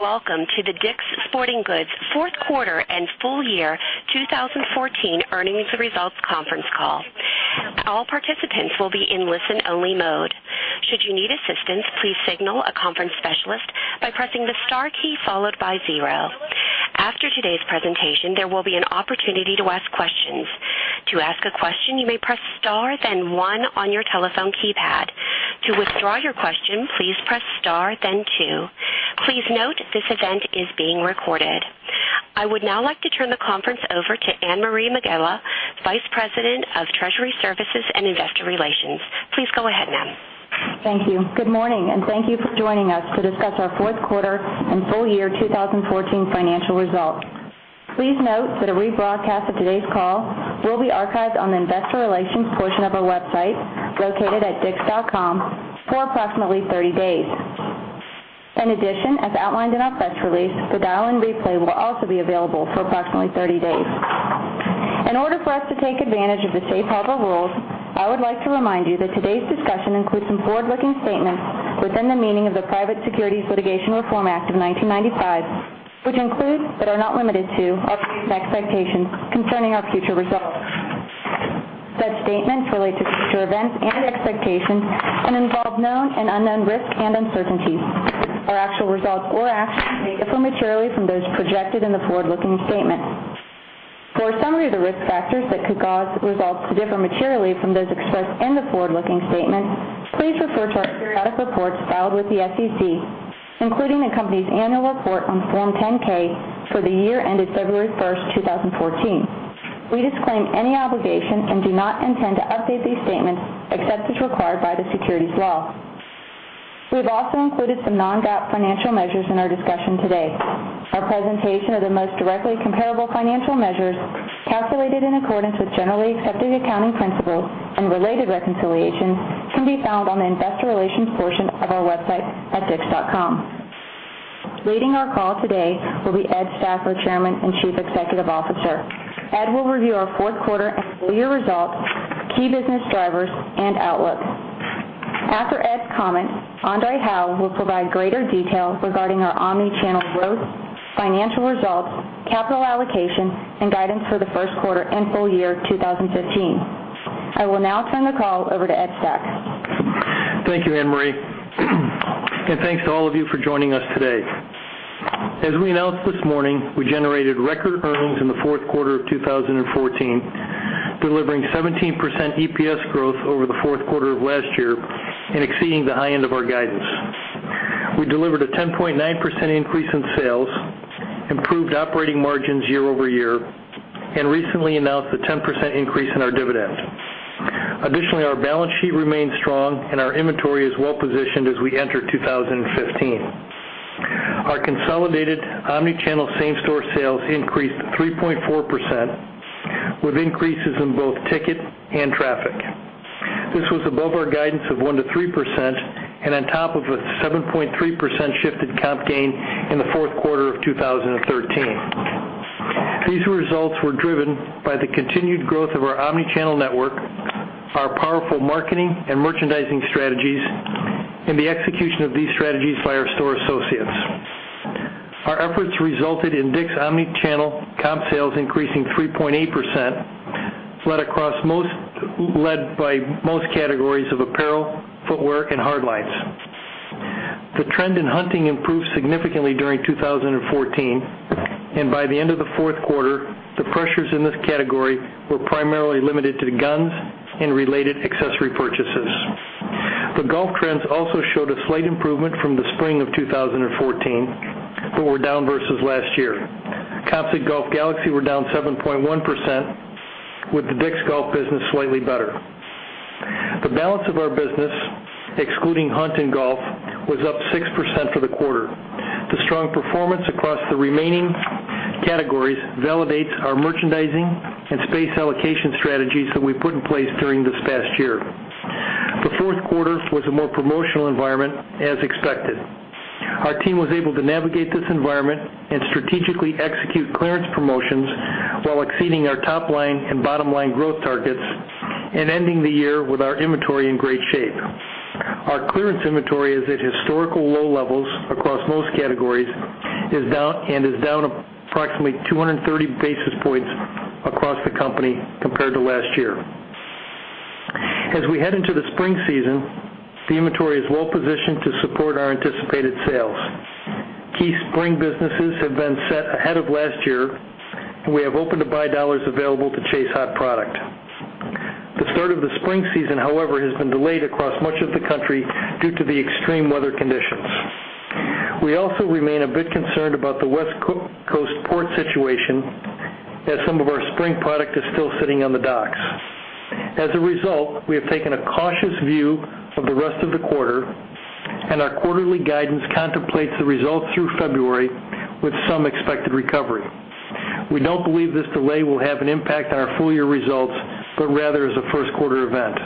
Welcome to the DICK’S Sporting Goods fourth quarter and full year 2014 earnings results conference call. All participants will be in listen-only mode. Should you need assistance, please signal a conference specialist by pressing the star key followed by zero. After today's presentation, there will be an opportunity to ask questions. To ask a question, you may press star then one on your telephone keypad. To withdraw your question, please press star then two. Please note this event is being recorded. I would now like to turn the conference over to Anne-Marie Megela, Vice President of Treasury Services and Investor Relations. Please go ahead, ma'am. Thank you. Good morning, and thank you for joining us to discuss our fourth quarter and full year 2014 financial results. Please note that a rebroadcast of today's call will be archived on the investor relations portion of our website, located at dicks.com, for approximately 30 days. In addition, as outlined in our press release, the dial-in replay will also be available for approximately 30 days. In order for us to take advantage of the safe harbor rules, I would like to remind you that today's discussion includes some forward-looking statements within the meaning of the Private Securities Litigation Reform Act of 1995, which include, but are not limited to, our expectations concerning our future results. Such statements relate to future events and expectations and involve known and unknown risks and uncertainties. Our actual results or actions may differ materially from those projected in the forward-looking statements. For a summary of the risk factors that could cause results to differ materially from those expressed in the forward-looking statements, please refer to our periodic reports filed with the SEC, including the company's annual report on Form 10-K for the year ended February 1st, 2014. We disclaim any obligation and do not intend to update these statements except as required by the securities law. We have also included some non-GAAP financial measures in our discussion today. Our presentation of the most directly comparable financial measures, calculated in accordance with generally accepted accounting principles and related reconciliations, can be found on the investor relations portion of our website at dicks.com. Leading our call today will be Ed Stack, our Chairman and Chief Executive Officer. Ed will review our fourth quarter and full year results, key business drivers, and outlook. After Ed's comments, André Hawaux will provide greater detail regarding our omnichannel growth, financial results, capital allocation, and guidance for the first quarter and full year 2015. I will now turn the call over to Ed Stack. Thank you, Anne-Marie. Thanks to all of you for joining us today. As we announced this morning, we generated record earnings in the fourth quarter of 2014, delivering 17% EPS growth over the fourth quarter of last year and exceeding the high end of our guidance. We delivered a 10.9% increase in sales, improved operating margins year-over-year, and recently announced a 10% increase in our dividend. Additionally, our balance sheet remains strong and our inventory is well-positioned as we enter 2015. Our consolidated omnichannel same-store sales increased 3.4%, with increases in both ticket and traffic. This was above our guidance of 1%-3% and on top of a 7.3% shifted comp gain in the fourth quarter of 2013. These results were driven by the continued growth of our omnichannel network, our powerful marketing and merchandising strategies, and the execution of these strategies by our store associates. Our efforts resulted in DICK'S omnichannel comp sales increasing 3.8%, led by most categories of apparel, footwear, and hardlines. The trend in hunting improved significantly during 2014, and by the end of the fourth quarter, the pressures in this category were primarily limited to guns and related accessory purchases. The golf trends also showed a slight improvement from the spring of 2014 but were down versus last year. Comps at Golf Galaxy were down 7.1%, with the DICK'S Golf business slightly better. The balance of our business, excluding hunt and golf, was up 6% for the quarter. The strong performance across the remaining categories validates our merchandising and space allocation strategies that we put in place during this past year. The fourth quarter was a more promotional environment as expected. Our team was able to navigate this environment and strategically execute clearance promotions while exceeding our top-line and bottom-line growth targets and ending the year with our inventory in great shape. Our clearance inventory is at historical low levels across most categories, and is down approximately 230 basis points across the company compared to last year. As we head into the spring season, the inventory is well-positioned to support our anticipated sales. Key spring businesses have been set ahead of last year, and we have open-to-buy dollars available to chase hot product. The start of the spring season, however, has been delayed across much of the country due to the extreme weather conditions. We also remain a bit concerned about the West Coast port situation, as some of our spring product is still sitting on the docks. As a result, we have taken a cautious view of the rest of the quarter, and our quarterly guidance contemplates the results through February with some expected recovery. We don't believe this delay will have an impact on our full-year results, but rather as a first quarter event.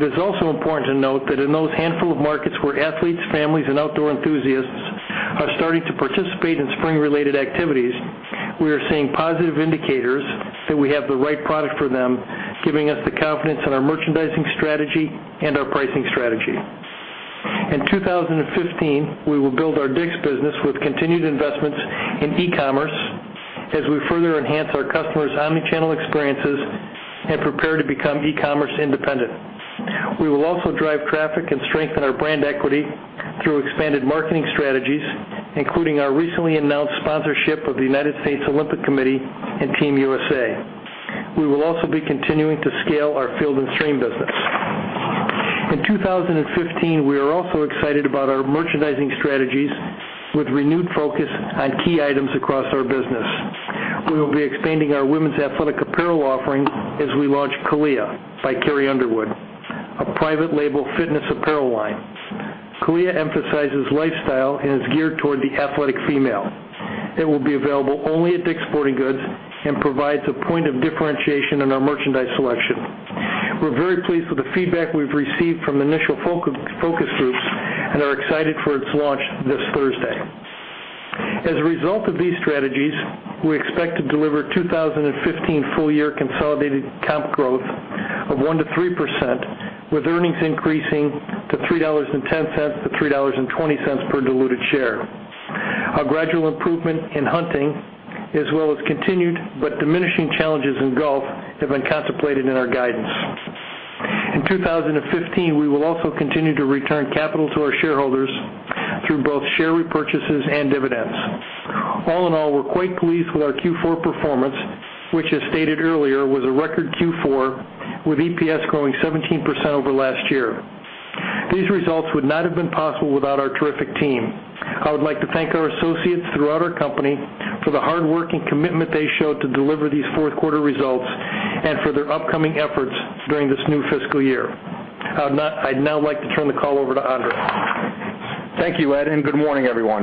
It is also important to note that in those handful of markets where athletes, families, and outdoor enthusiasts are starting to participate in spring-related activities, we are seeing positive indicators that we have the right product for them, giving us the confidence in our merchandising strategy and our pricing strategy. In 2015, we will build our DICK'S business with continued investments in e-commerce as we further enhance our customers' omnichannel experiences and prepare to become e-commerce independent. We will also drive traffic and strengthen our brand equity through expanded marketing strategies, including our recently announced sponsorship of the United States Olympic Committee and Team USA. We will also be continuing to scale our Field & Stream business. In 2015, we are also excited about our merchandising strategies with renewed focus on key items across our business. We will be expanding our women's athletic apparel offering as we launch CALIA by Carrie Underwood, a private label fitness apparel line. CALIA emphasizes lifestyle and is geared toward the athletic female. It will be available only at DICK'S Sporting Goods and provides a point of differentiation in our merchandise selection. We're very pleased with the feedback we've received from initial focus groups and are excited for its launch this Thursday. As a result of these strategies, we expect to deliver 2015 full-year consolidated comp growth of 1%-3%, with earnings increasing to $3.10-$3.20 per diluted share. A gradual improvement in hunting, as well as continued but diminishing challenges in golf, have been contemplated in our guidance. In 2015, we will also continue to return capital to our shareholders through both share repurchases and dividends. All in all, we're quite pleased with our Q4 performance, which, as stated earlier, was a record Q4, with EPS growing 17% over last year. These results would not have been possible without our terrific team. I would like to thank our associates throughout our company for the hard work and commitment they showed to deliver these fourth quarter results and for their upcoming efforts during this new fiscal year. I'd now like to turn the call over to André. Thank you, Ed, and good morning, everyone.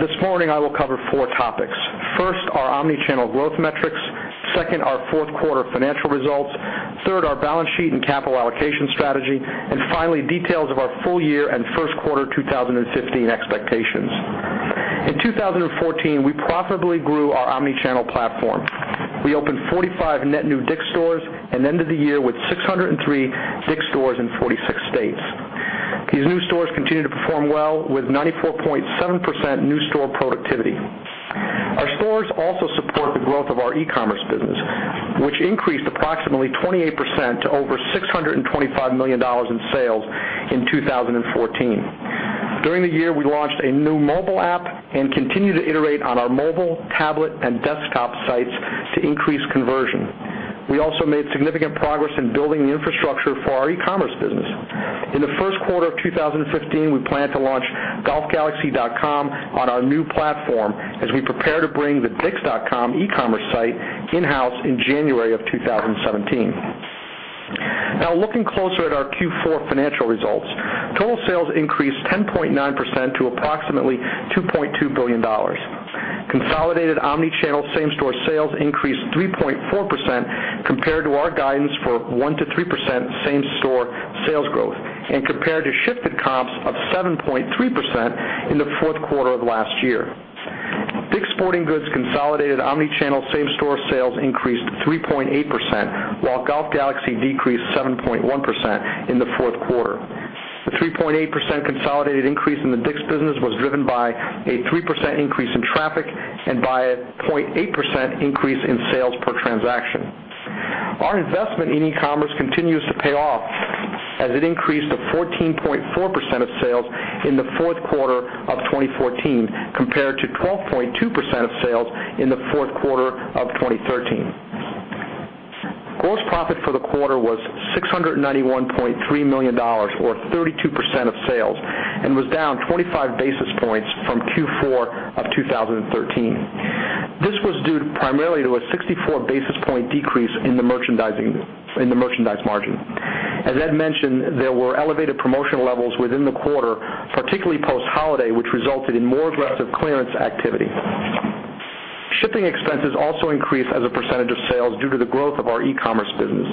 This morning, I will cover four topics. First, our omnichannel growth metrics. Second, our fourth quarter financial results. Third, our balance sheet and capital allocation strategy. Finally, details of our full year and first quarter 2015 expectations. In 2014, we profitably grew our omnichannel platform. We opened 45 net new DICK'S stores and ended the year with 603 DICK'S stores in 46 states. These new stores continue to perform well with 94.7% new store productivity. Our stores also support the growth of our e-commerce business, which increased approximately 28% to over $625 million in sales in 2014. During the year, we launched a new mobile app and continue to iterate on our mobile, tablet, and desktop sites to increase conversion. We also made significant progress in building the infrastructure for our e-commerce business. In the first quarter of 2015, we plan to launch golfgalaxy.com on our new platform as we prepare to bring the dicks.com e-commerce site in-house in January of 2017. Looking closer at our Q4 financial results. Total sales increased 10.9% to approximately $2.2 billion. Consolidated omnichannel same-store sales increased 3.4% compared to our guidance for 1%-3% same-store sales growth and compared to shifted comps of 7.3% in the fourth quarter of last year. DICK'S Sporting Goods consolidated omnichannel same-store sales increased 3.8%, while Golf Galaxy decreased 7.1% in the fourth quarter. The 3.8% consolidated increase in the DICK'S business was driven by a 3% increase in traffic and by a 0.8% increase in sales per transaction. Our investment in e-commerce continues to pay off as it increased to 14.4% of sales in the fourth quarter of 2014, compared to 12.2% of sales in the fourth quarter of 2013. Gross profit for the quarter was $691.3 million, or 32% of sales, and was down 25 basis points from Q4 of 2013. This was due primarily to a 64 basis point decrease in the merchandise margin. As Ed mentioned, there were elevated promotional levels within the quarter, particularly post-holiday, which resulted in more aggressive clearance activity. Shipping expenses also increased as a percentage of sales due to the growth of our e-commerce business.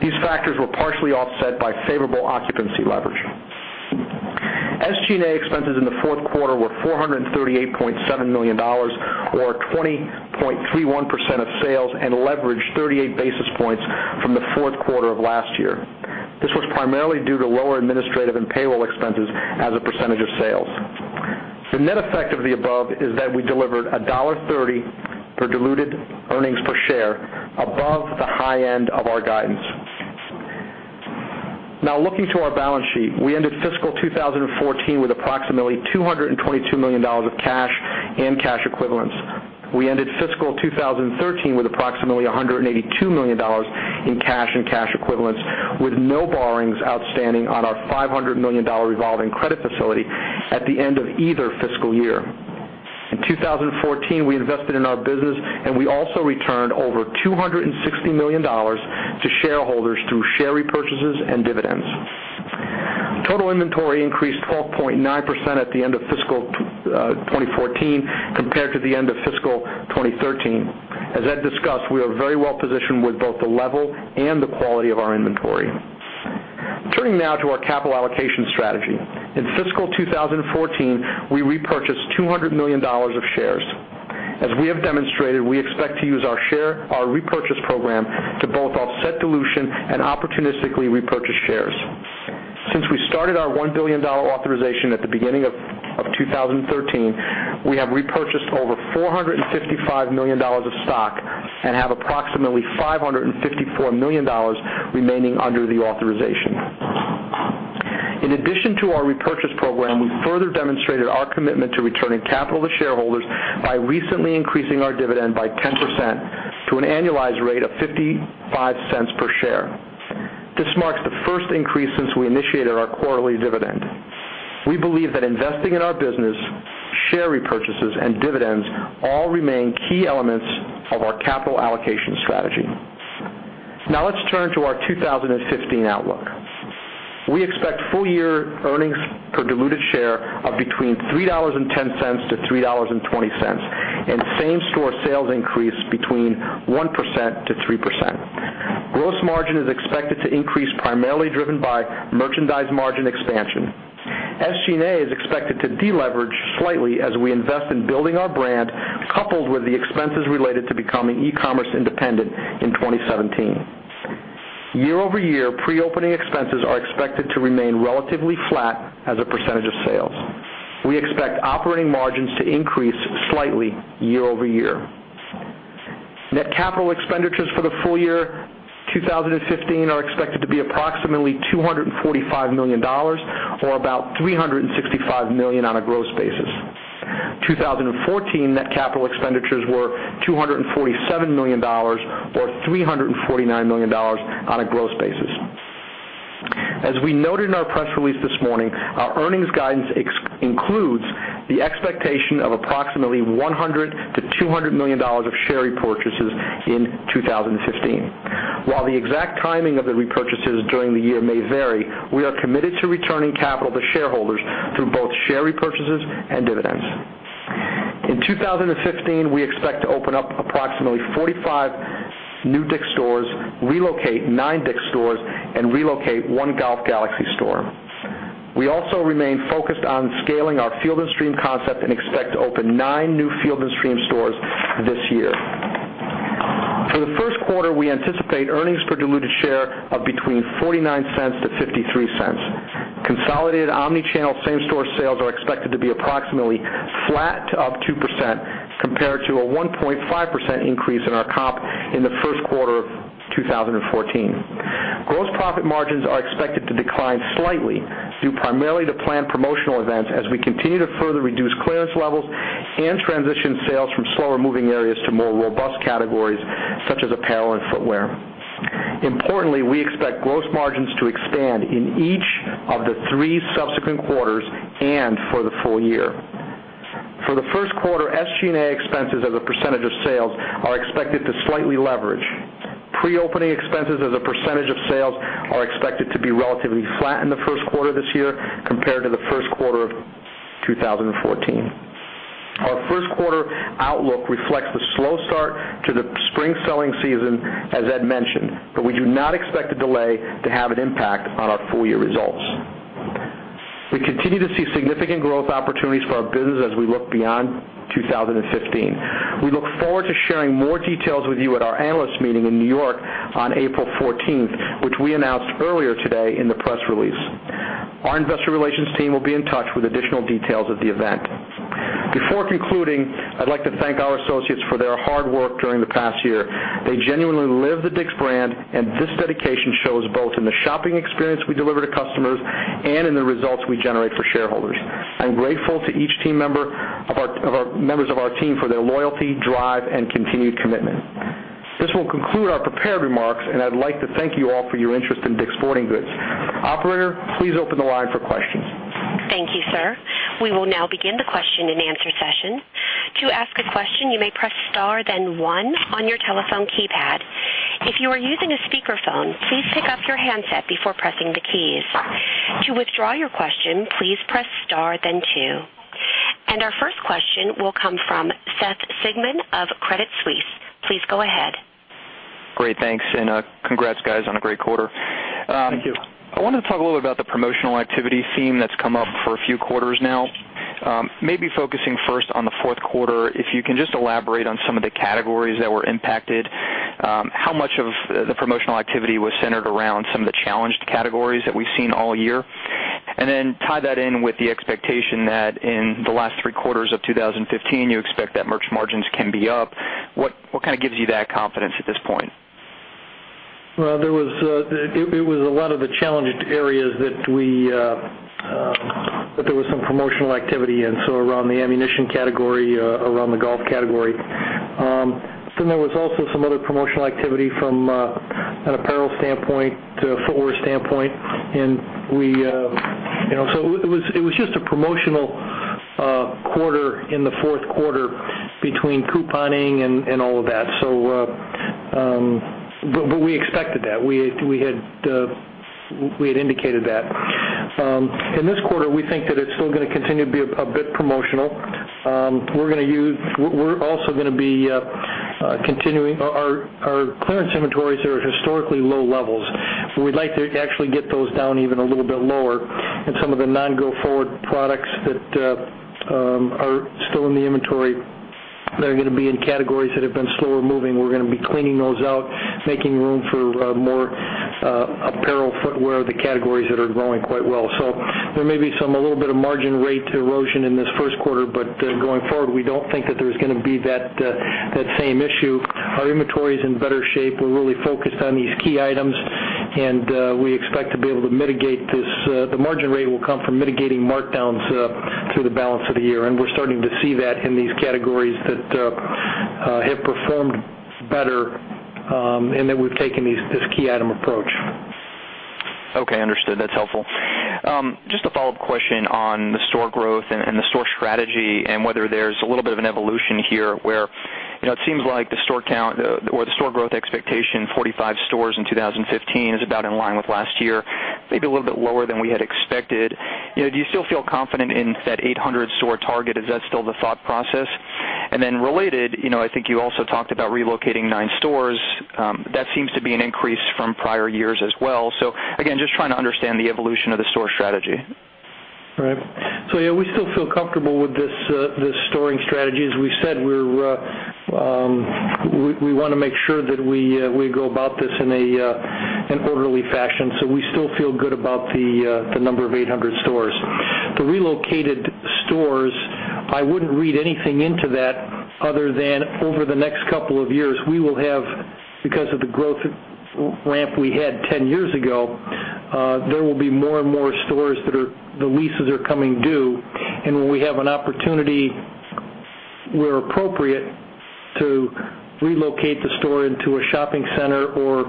These factors were partially offset by favorable occupancy leverage. SG&A expenses in the fourth quarter were $438.7 million, or 20.31% of sales, and leveraged 38 basis points from the fourth quarter of last year. This was primarily due to lower administrative and payroll expenses as a percentage of sales. The net effect of the above is that we delivered $1.30 per diluted earnings per share above the high end of our guidance. Now looking to our balance sheet. We ended fiscal 2014 with approximately $222 million of cash and cash equivalents. We ended fiscal 2013 with approximately $182 million in cash and cash equivalents, with no borrowings outstanding on our $500 million revolving credit facility at the end of either fiscal year. In 2014, we invested in our business, and we also returned over $260 million to shareholders through share repurchases and dividends. Total inventory increased 12.9% at the end of fiscal 2014 compared to the end of fiscal 2013. As Ed discussed, we are very well-positioned with both the level and the quality of our inventory. Turning now to our capital allocation strategy. In fiscal 2014, we repurchased $200 million of shares. As we have demonstrated, we expect to use our repurchase program to both offset dilution and opportunistically repurchase shares. Since we started our $1 billion authorization at the beginning of 2013, we have repurchased over $455 million of stock and have approximately $554 million remaining under the authorization. In addition to our repurchase program, we have further demonstrated our commitment to returning capital to shareholders by recently increasing our dividend by 10% to an annualized rate of $0.55 per share. This marks the first increase since we initiated our quarterly dividend. We believe that investing in our business, share repurchases, and dividends all remain key elements of our capital allocation strategy. Now let's turn to our 2015 outlook. We expect full-year earnings per diluted share of between $3.10 to $3.20, and same-store sales increase between 1% to 3%. Gross margin is expected to increase, primarily driven by merchandise margin expansion. SG&A is expected to deleverage slightly as we invest in building our brand, coupled with the expenses related to becoming e-commerce independent in 2017. Year-over-year, pre-opening expenses are expected to remain relatively flat as a percentage of sales. We expect operating margins to increase slightly year-over-year. Net capital expenditures for the full year 2015 are expected to be approximately $245 million, or about $365 million on a gross basis. 2014 net capital expenditures were $247 million or $349 million on a gross basis. As we noted in our press release this morning, our earnings guidance includes the expectation of approximately $100 million to $200 million of share repurchases in 2015. While the exact timing of the repurchases during the year may vary, we are committed to returning capital to shareholders through both share repurchases and dividends. In 2015, we expect to open up approximately 45 new DICK'S stores, relocate nine DICK'S stores, and relocate one Golf Galaxy store. We also remain focused on scaling our Field & Stream concept and expect to open nine new Field & Stream stores this year. For the first quarter, we anticipate earnings per diluted share of between $0.49 to $0.53. Consolidated omnichannel same-store sales are expected to be approximately flat to up 2%, compared to a 1.5% increase in our comp in the first quarter of 2014. Gross profit margins are expected to decline slightly, due primarily to planned promotional events as we continue to further reduce clearance levels and transition sales from slower-moving areas to more robust categories, such as apparel and footwear. Importantly, we expect gross margins to expand in each of the three subsequent quarters and for the full year. For the first quarter, SG&A expenses as a percentage of sales are expected to slightly leverage. Pre-opening expenses as a percentage of sales are expected to be relatively flat in the first quarter this year compared to the first quarter of 2014. Our first quarter outlook reflects the slow start to the spring selling season, as Ed mentioned, but we do not expect the delay to have an impact on our full-year results. We continue to see significant growth opportunities for our business as we look beyond 2015. We look forward to sharing more details with you at our analyst meeting in New York on April 14th, which we announced earlier today in the press release. Our investor relations team will be in touch with additional details of the event. Before concluding, I'd like to thank our associates for their hard work during the past year. They genuinely live the DICK'S brand, and this dedication shows both in the shopping experience we deliver to customers and in the results we generate for shareholders. I'm grateful to each members of our team for their loyalty, drive, and continued commitment. This will conclude our prepared remarks, and I'd like to thank you all for your interest in DICK'S Sporting Goods. Operator, please open the line for questions. Thank you, sir. We will now begin the question and answer session. To ask a question, you may press star then one on your telephone keypad. If you are using a speakerphone, please pick up your handset before pressing the keys. To withdraw your question, please press star then two. Our first question will come from Seth Sigman of Credit Suisse. Please go ahead. Great. Congrats, guys, on a great quarter. Thank you. I wanted to talk a little bit about the promotional activity theme that's come up for a few quarters now. Maybe focusing first on the fourth quarter, if you can just elaborate on some of the categories that were impacted. How much of the promotional activity was centered around some of the challenged categories that we've seen all year? Tie that in with the expectation that in the last three quarters of 2015, you expect that merch margins can be up. What gives you that confidence at this point? Well, it was a lot of the challenged areas that there was some promotional activity in, so around the ammunition category, around the golf category. There was also some other promotional activity from an apparel standpoint to a footwear standpoint. It was just a promotional quarter in the fourth quarter between couponing and all of that. We expected that. We had indicated that. In this quarter, we think that it's still going to continue to be a bit promotional. We're also going to be Our clearance inventories are at historically low levels. We'd like to actually get those down even a little bit lower, and some of the non-go-forward products that are still in the inventory, that are going to be in categories that have been slower moving, we're going to be cleaning those out, making room for more apparel, footwear, the categories that are growing quite well. There may be a little bit of margin rate erosion in this first quarter, going forward, we don't think that there's going to be that same issue. Our inventory is in better shape. We're really focused on these key items, and we expect to be able to mitigate this. The margin rate will come from mitigating markdowns through the balance of the year, and we're starting to see that in these categories that have performed better and that we've taken this key item approach. Okay, understood. That's helpful. Just a follow-up question on the store growth and the store strategy and whether there's a little bit of an evolution here where it seems like the store count or the store growth expectation, 45 stores in 2015, is about in line with last year, maybe a little bit lower than we had expected. Do you still feel confident in that 800 store target? Is that still the thought process? Related, I think you also talked about relocating nine stores. That seems to be an increase from prior years as well. Again, just trying to understand the evolution of the store strategy. Right. Yeah, we still feel comfortable with this storing strategy. As we said, we want to make sure that we go about this in an orderly fashion. We still feel good about the number of 800 stores. The relocated stores, I wouldn't read anything into that other than over the next couple of years, we will have, because of the growth ramp we had 10 years ago, there will be more and more stores that the leases are coming due. When we have an opportunity, where appropriate, to relocate the store into a shopping center or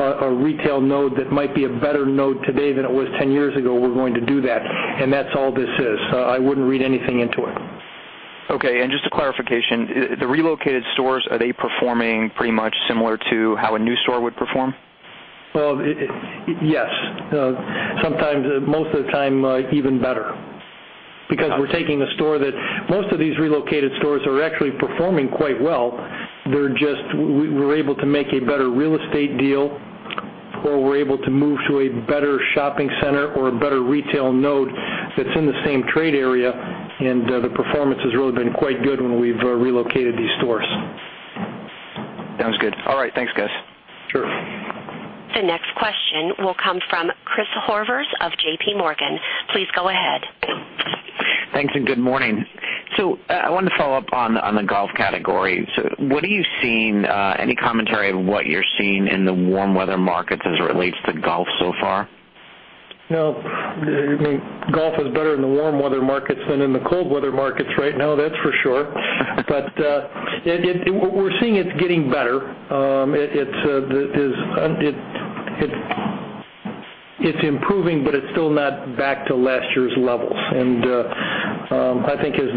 a retail node that might be a better node today than it was 10 years ago, we're going to do that. That's all this is. I wouldn't read anything into it. Okay, just a clarification. The relocated stores, are they performing pretty much similar to how a new store would perform? Well, yes. Most of the time, even better. Most of these relocated stores are actually performing quite well. We were able to make a better real estate deal, or we're able to move to a better shopping center or a better retail node that's in the same trade area, and the performance has really been quite good when we've relocated these stores. Sounds good. All right. Thanks, guys. Sure. The next question will come from Chris Horvers of J.P. Morgan. Please go ahead. Thanks, good morning. I wanted to follow up on the golf category. Any commentary on what you're seeing in the warm weather markets as it relates to golf so far? No. Golf is better in the warm weather markets than in the cold weather markets right now, that's for sure. We're seeing it getting better. It's improving, but it's still not back to last year's levels. I think as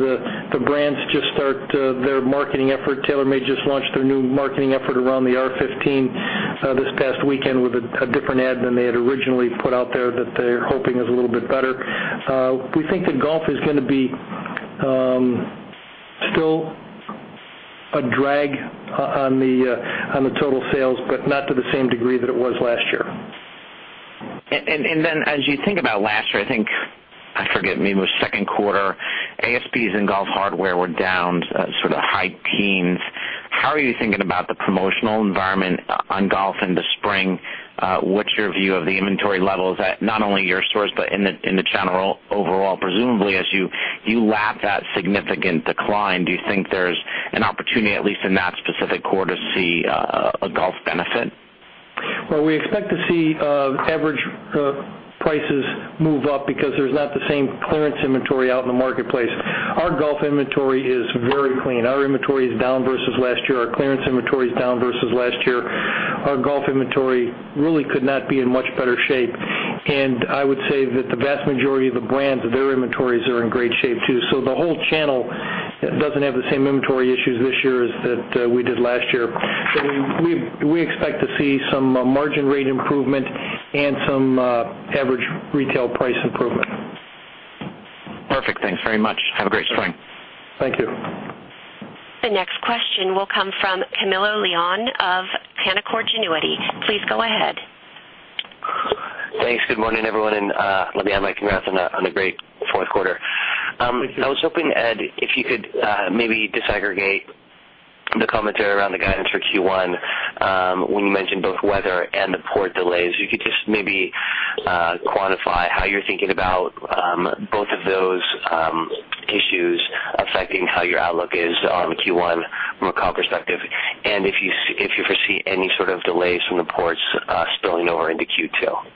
the brands just start their marketing effort, TaylorMade just launched their new marketing effort around the R15 this past weekend with a different ad than they had originally put out there that they're hoping is a little bit better. We think that golf is going to be still a drag on the total sales, but not to the same degree that it was last year. As you think about last year, I think, I forget, maybe it was second quarter, ASPs in golf hardware were down sort of high teens. How are you thinking about the promotional environment on golf in the spring? What's your view of the inventory levels at not only your stores, but in the channel overall? Presumably, as you lap that significant decline, do you think there's an opportunity, at least in that specific quarter, to see a golf benefit? Well, we expect to see average prices move up because there's not the same clearance inventory out in the marketplace. Our golf inventory is very clean. Our inventory is down versus last year. Our clearance inventory is down versus last year. Our golf inventory really could not be in much better shape. I would say that the vast majority of the brands, their inventories are in great shape, too. The whole channel doesn't have the same inventory issues this year as we did last year. We expect to see some margin rate improvement and some average retail price improvement. Perfect. Thanks very much. Have a great spring. Thank you. The next question will come from Camilo Lyon of Canaccord Genuity. Please go ahead. Thank you. I was hoping, Ed, if you could maybe disaggregate the commentary around the guidance for Q1. When you mentioned both weather and the port delays, if you could just maybe quantify how you're thinking about both of those issues affecting how your outlook is on Q1 from a call perspective, and if you foresee any sort of delays from the ports spilling over into Q2.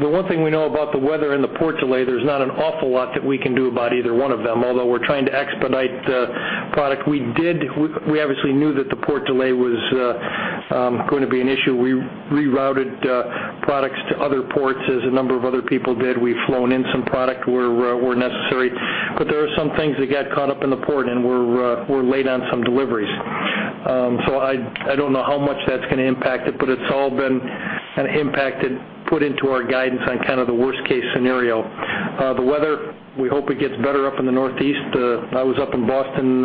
The one thing we know about the weather and the port delay, there's not an awful lot that we can do about either one of them, although we're trying to expedite the product. We obviously knew that the port delay was going to be an issue. We rerouted products to other ports as a number of other people did. We've flown in some product where necessary. There are some things that got caught up in the port, and we're late on some deliveries. I don't know how much that's going to impact it, but it's all been impacted, put into our guidance on the worst case scenario. The weather, we hope it gets better up in the Northeast. I was up in Boston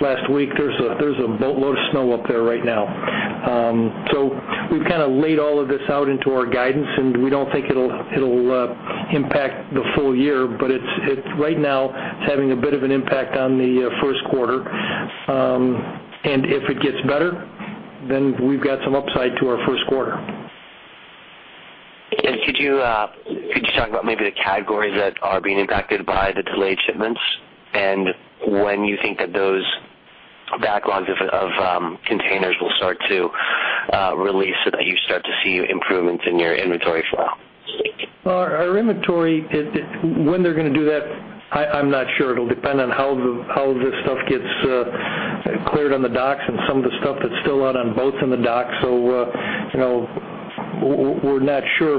last week. There's a boatload of snow up there right now. We've laid all of this out into our guidance, and we don't think it'll impact the full year. Right now, it's having a bit of an impact on the first quarter. If it gets better, then we've got some upside to our first quarter. Could you talk about maybe the categories that are being impacted by the delayed shipments? When you think that those backlogs of containers will start to release so that you start to see improvements in your inventory flow. Our inventory, when they're going to do that, I'm not sure. It'll depend on how this stuff gets cleared on the docks and some of the stuff that's still out on boats on the dock. We're not sure.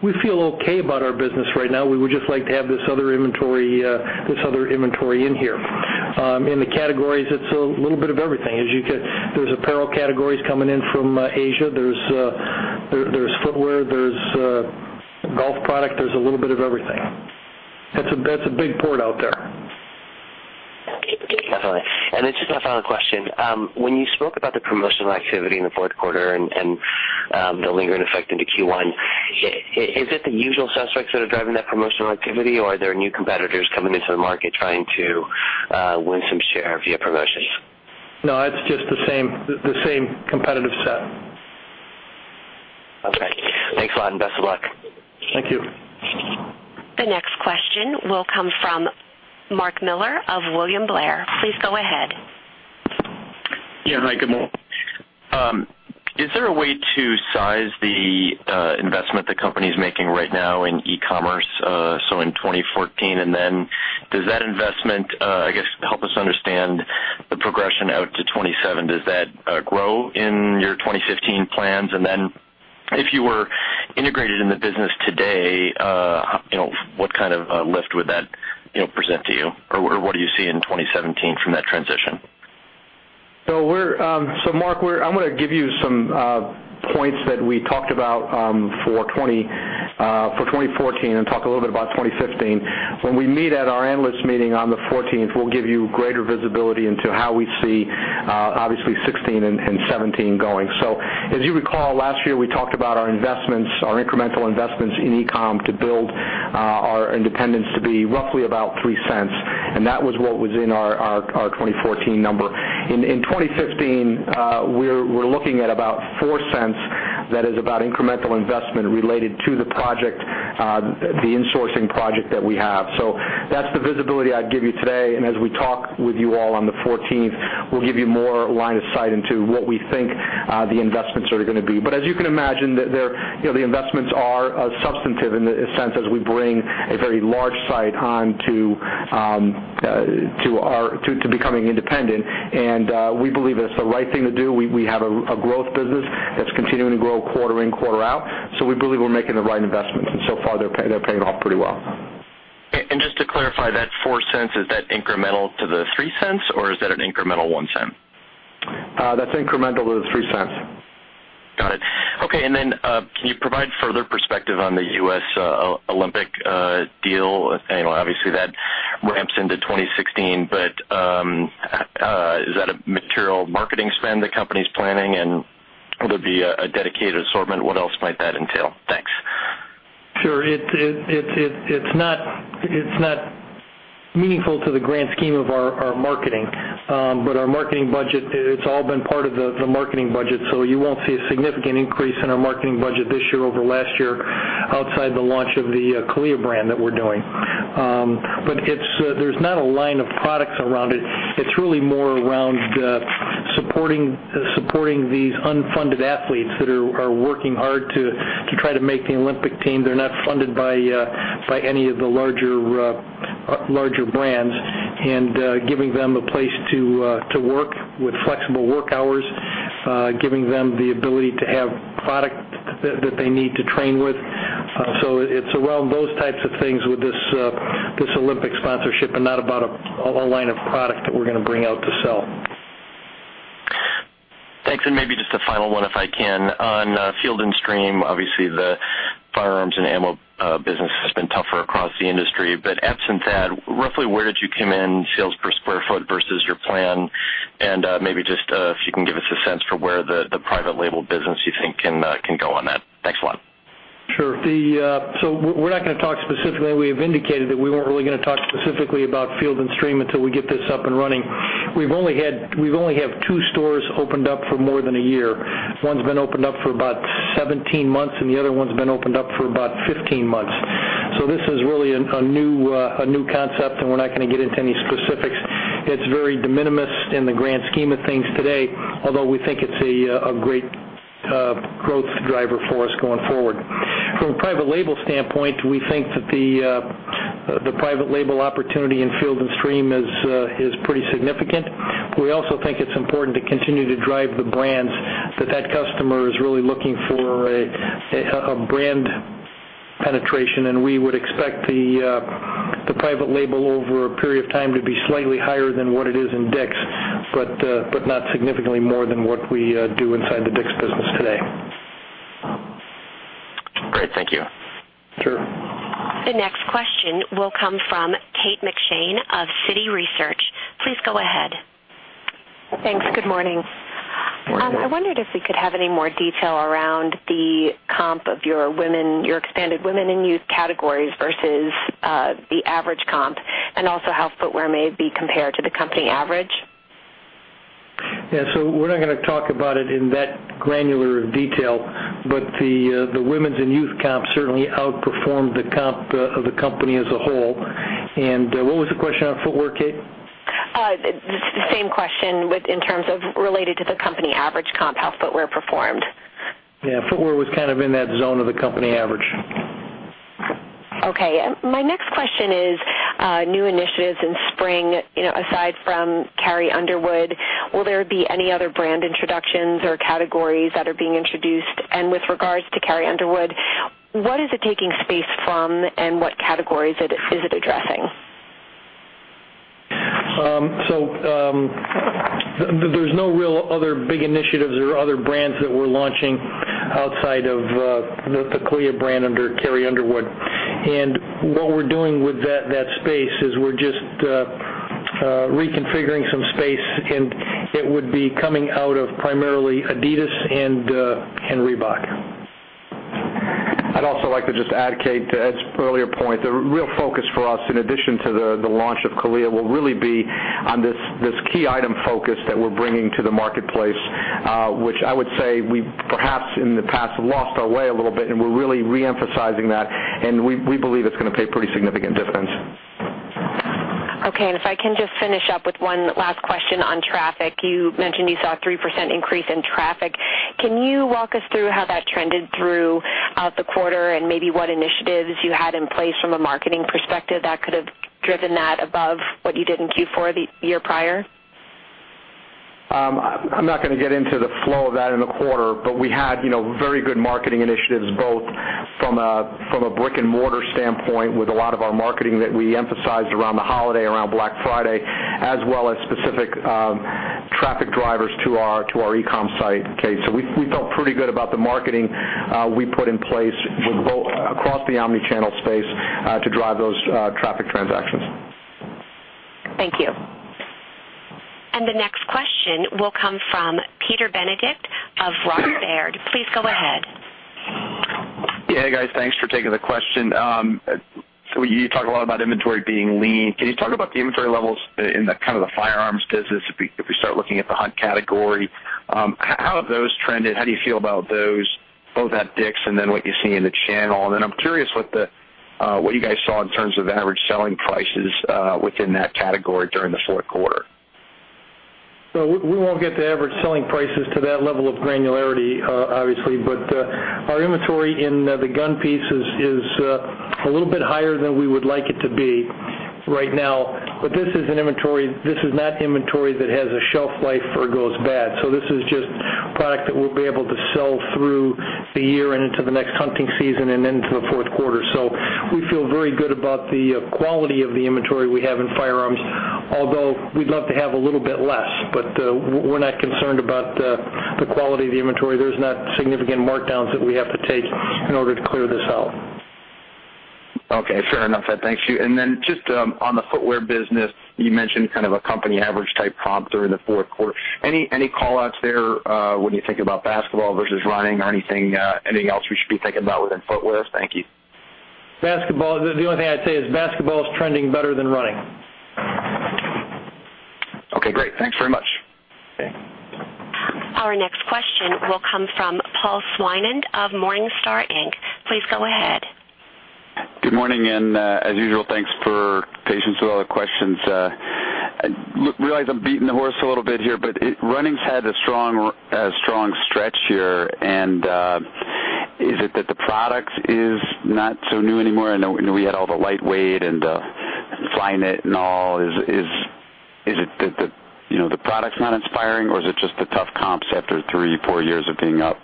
We feel okay about our business right now. We would just like to have this other inventory in here. In the categories, it's a little bit of everything. There's apparel categories coming in from Asia. There's footwear. There's golf product. There's a little bit of everything. That's a big port out there. Okay. Definitely. Just my final question. When you spoke about the promotional activity in the fourth quarter and the lingering effect into Q1, is it the usual suspects that are driving that promotional activity, or are there new competitors coming into the market trying to win some share via promotions? No, it's just the same competitive set. Okay. Thanks a lot, and best of luck. Thank you. The next question will come from Mark Miller of William Blair. Please go ahead. Yeah. Hi, good morning. Is there a way to size the investment the company is making right now in e-commerce, so in 2014? Does that investment, I guess, help us understand the progression out to 2017? Does that grow in your 2015 plans? If you were integrated in the business today, what kind of lift would that present to you, or what do you see in 2017 from that transition? Mark, I'm going to give you some points that we talked about for 2014 and talk a little bit about 2015. When we meet at our analyst meeting on the 14th, we'll give you greater visibility into how we see, obviously, 2016 and 2017 going. As you recall, last year, we talked about our investments, our incremental investments in e-com to build our independence to be roughly about $0.03, and that was what was in our 2014 number. In 2015, we're looking at about $0.04. That is about incremental investment related to the insourcing project that we have. That's the visibility I'd give you today. As we talk with you all on the 14th, we'll give you more line of sight into what we think the investments are going to be. As you can imagine, the investments are substantive in the sense as we bring a very large site on to becoming independent, and we believe it's the right thing to do. We have a growth business that's continuing to grow quarter in, quarter out. We believe we're making the right investments, and so far, they're paying off pretty well. Just to clarify, that $0.04, is that incremental to the $0.03, or is that an incremental $0.01? That's incremental to the $0.03. Got it. Okay. Can you provide further perspective on the U.S. Olympic deal? Obviously, that ramps into 2016. Is that a material marketing spend the company's planning, and would it be a dedicated assortment? What else might that entail? Thanks. Sure. It's not meaningful to the grand scheme of our marketing. It's all been part of the marketing budget. You won't see a significant increase in our marketing budget this year over last year outside the launch of the CALIA brand that we're doing. There's not a line of products around it. It's really more around supporting these unfunded athletes that are working hard to try to make the Olympic team. They're not funded by any of the larger brands and giving them a place to work with flexible work hours, giving them the ability to have product that they need to train with. It's around those types of things with this Olympic sponsorship and not about a whole line of product that we're going to bring out to sell. Thanks. Maybe just a final one, if I can. On Field & Stream, obviously, the firearms and ammo business has been tougher across the industry. Absent that, roughly where did you come in sales per square foot versus your plan? Maybe just if you can give us a sense for where the private label business you think can go on that. Thanks a lot. Sure. We're not going to talk specifically. We have indicated that we weren't really going to talk specifically about Field & Stream until we get this up and running. We only have two stores opened up for more than a year. One's been opened up for about 17 months, and the other one's been opened up for about 15 months. This is really a new concept, and we're not going to get into any specifics. It's very de minimis in the grand scheme of things today, although we think it's a great growth driver for us going forward. From a private label standpoint, we think that the private label opportunity in Field & Stream is pretty significant. We also think it's important to continue to drive the brands that customer is really looking for a brand penetration. We would expect the private label over a period of time to be slightly higher than what it is in DICK'S, not significantly more than what we do inside the DICK'S business today. Great. Thank you. Sure. The next question will come from Kate McShane of Citi Research. Please go ahead. Thanks. Good morning. Morning. I wondered if we could have any more detail around the comp of your expanded women and youth categories versus the average comp, and also how footwear may be compared to the company average. Yeah. We're not going to talk about it in that granular of detail, but the women's and youth comp certainly outperformed the comp of the company as a whole. What was the question on footwear, Kate? The same question in terms of related to the company average comp, how footwear performed? Yeah. Footwear was kind of in that zone of the company average. Okay. My next question is new initiatives in spring. Aside from Carrie Underwood, will there be any other brand introductions or categories that are being introduced? With regards to Carrie Underwood, what is it taking space from and what categories is it addressing? There's no real other big initiatives or other brands that we're launching outside of the CALIA brand under Carrie Underwood. What we're doing with that space is we're just reconfiguring some space, and it would be coming out of primarily adidas and Reebok. I'd also like to just add, Kate, to Ed's earlier point, the real focus for us, in addition to the launch of CALIA, will really be on this key item focus that we're bringing to the marketplace, which I would say we perhaps in the past have lost our way a little bit. We're really re-emphasizing that, and we believe it's going to pay pretty significant dividends. Okay. If I can just finish up with one last question on traffic. You mentioned you saw a 3% increase in traffic. Can you walk us through how that trended throughout the quarter and maybe what initiatives you had in place from a marketing perspective that could have driven that above what you did in Q4 the year prior? I'm not going to get into the flow of that in the quarter. We had very good marketing initiatives, both from a brick and mortar standpoint with a lot of our marketing that we emphasized around the holiday, around Black Friday, as well as specific traffic drivers to our e-com site. We felt pretty good about the omnichannel space to drive those traffic transactions. Thank you. The next question will come from Peter Benedict of Robert W. Baird. Please go ahead. Yeah. Hey, guys. Thanks for taking the question. You talk a lot about inventory being lean. Can you talk about the inventory levels in the firearms business, if we start looking at the hunt category? How have those trended? How do you feel about those, both at DICK'S and then what you see in the channel? I'm curious what you guys saw in terms of average selling prices within that category during the fourth quarter. We won't get to average selling prices to that level of granularity, obviously. Our inventory in the gun piece is a little bit higher than we would like it to be right now. This is not inventory that has a shelf life or goes bad. This is just product that we'll be able to sell through the year and into the next hunting season and into the fourth quarter. We feel very good about the quality of the inventory we have in firearms, although we'd love to have a little bit less. We're not concerned about the quality of the inventory. There's not significant markdowns that we have to take in order to clear this out. Okay, fair enough, Ed. Thank you. Then just on the footwear business, you mentioned kind of a company average type comp during the fourth quarter. Any call-outs there when you think about basketball versus running or anything else we should be thinking about within footwear? Thank you. The only thing I'd say is basketball is trending better than running. Okay, great. Thanks very much. Okay. Our next question will come from Paul Swinand of Morningstar Inc. Please go ahead. Good morning, and, as usual, thanks for patience with all the questions. I realize I'm beating the horse a little bit here, but running's had a strong stretch here and is it that the product is not so new anymore? I know we had all the lightweight and the Flyknit and all. Is it that the product's not inspiring, or is it just the tough comps after three, four years of being up?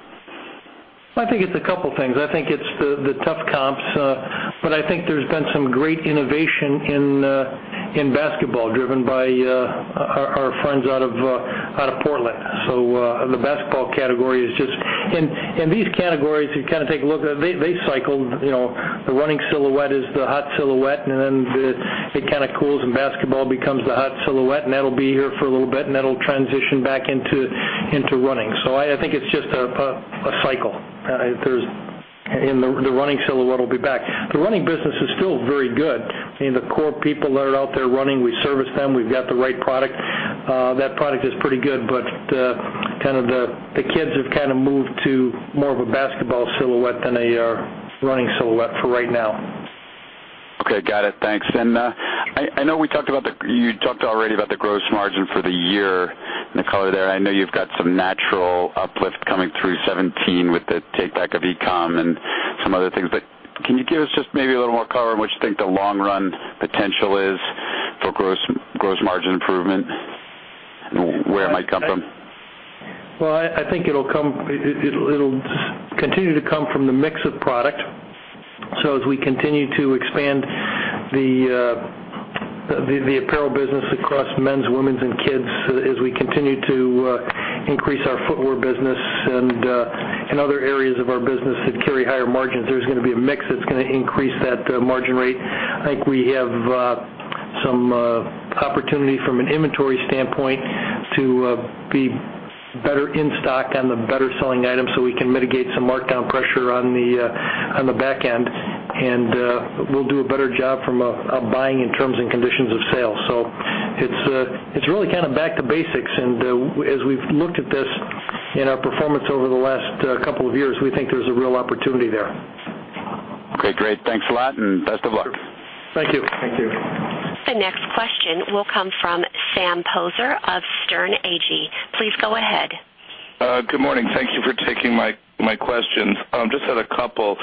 I think it's a couple things. I think it's the tough comps. I think there's been some great innovation in basketball driven by our friends out of Portland. The basketball category is just, these categories, if you take a look, they cycle. The running silhouette is the hot silhouette, then it kind of cools and basketball becomes the hot silhouette, that'll be here for a little bit, that'll transition back into running. I think it's just a cycle. The running silhouette will be back. The running business is still very good. The core people that are out there running, we service them. We've got the right product. That product is pretty good, the kids have kind of moved to more of a basketball silhouette than a running silhouette for right now. Okay, got it. Thanks. I know you talked already about the gross margin for the year and the color there. I know you've got some natural uplift coming through 2017 with the take back of e-com and some other things, can you give us just maybe a little more color on what you think the long-run potential is for gross margin improvement? Where it might come from? Well, I think it'll continue to come from the mix of product. As we continue to expand the apparel business across men's, women's, and kids, as we continue to increase our footwear business and other areas of our business that carry higher margins, there's going to be a mix that's going to increase that margin rate. I think we have some opportunity from an inventory standpoint to be better in stock on the better-selling items so we can mitigate some markdown pressure on the back end. We'll do a better job from a buying in terms and conditions of sale. It's really kind of back to basics. As we've looked at this in our performance over the last couple of years, we think there's a real opportunity there. Great. Thanks a lot and best of luck. Thank you. Thank you. The next question will come from Sam Poser of Sterne Agee. Please go ahead. Good morning. Thank you for taking my questions. Just had a couple.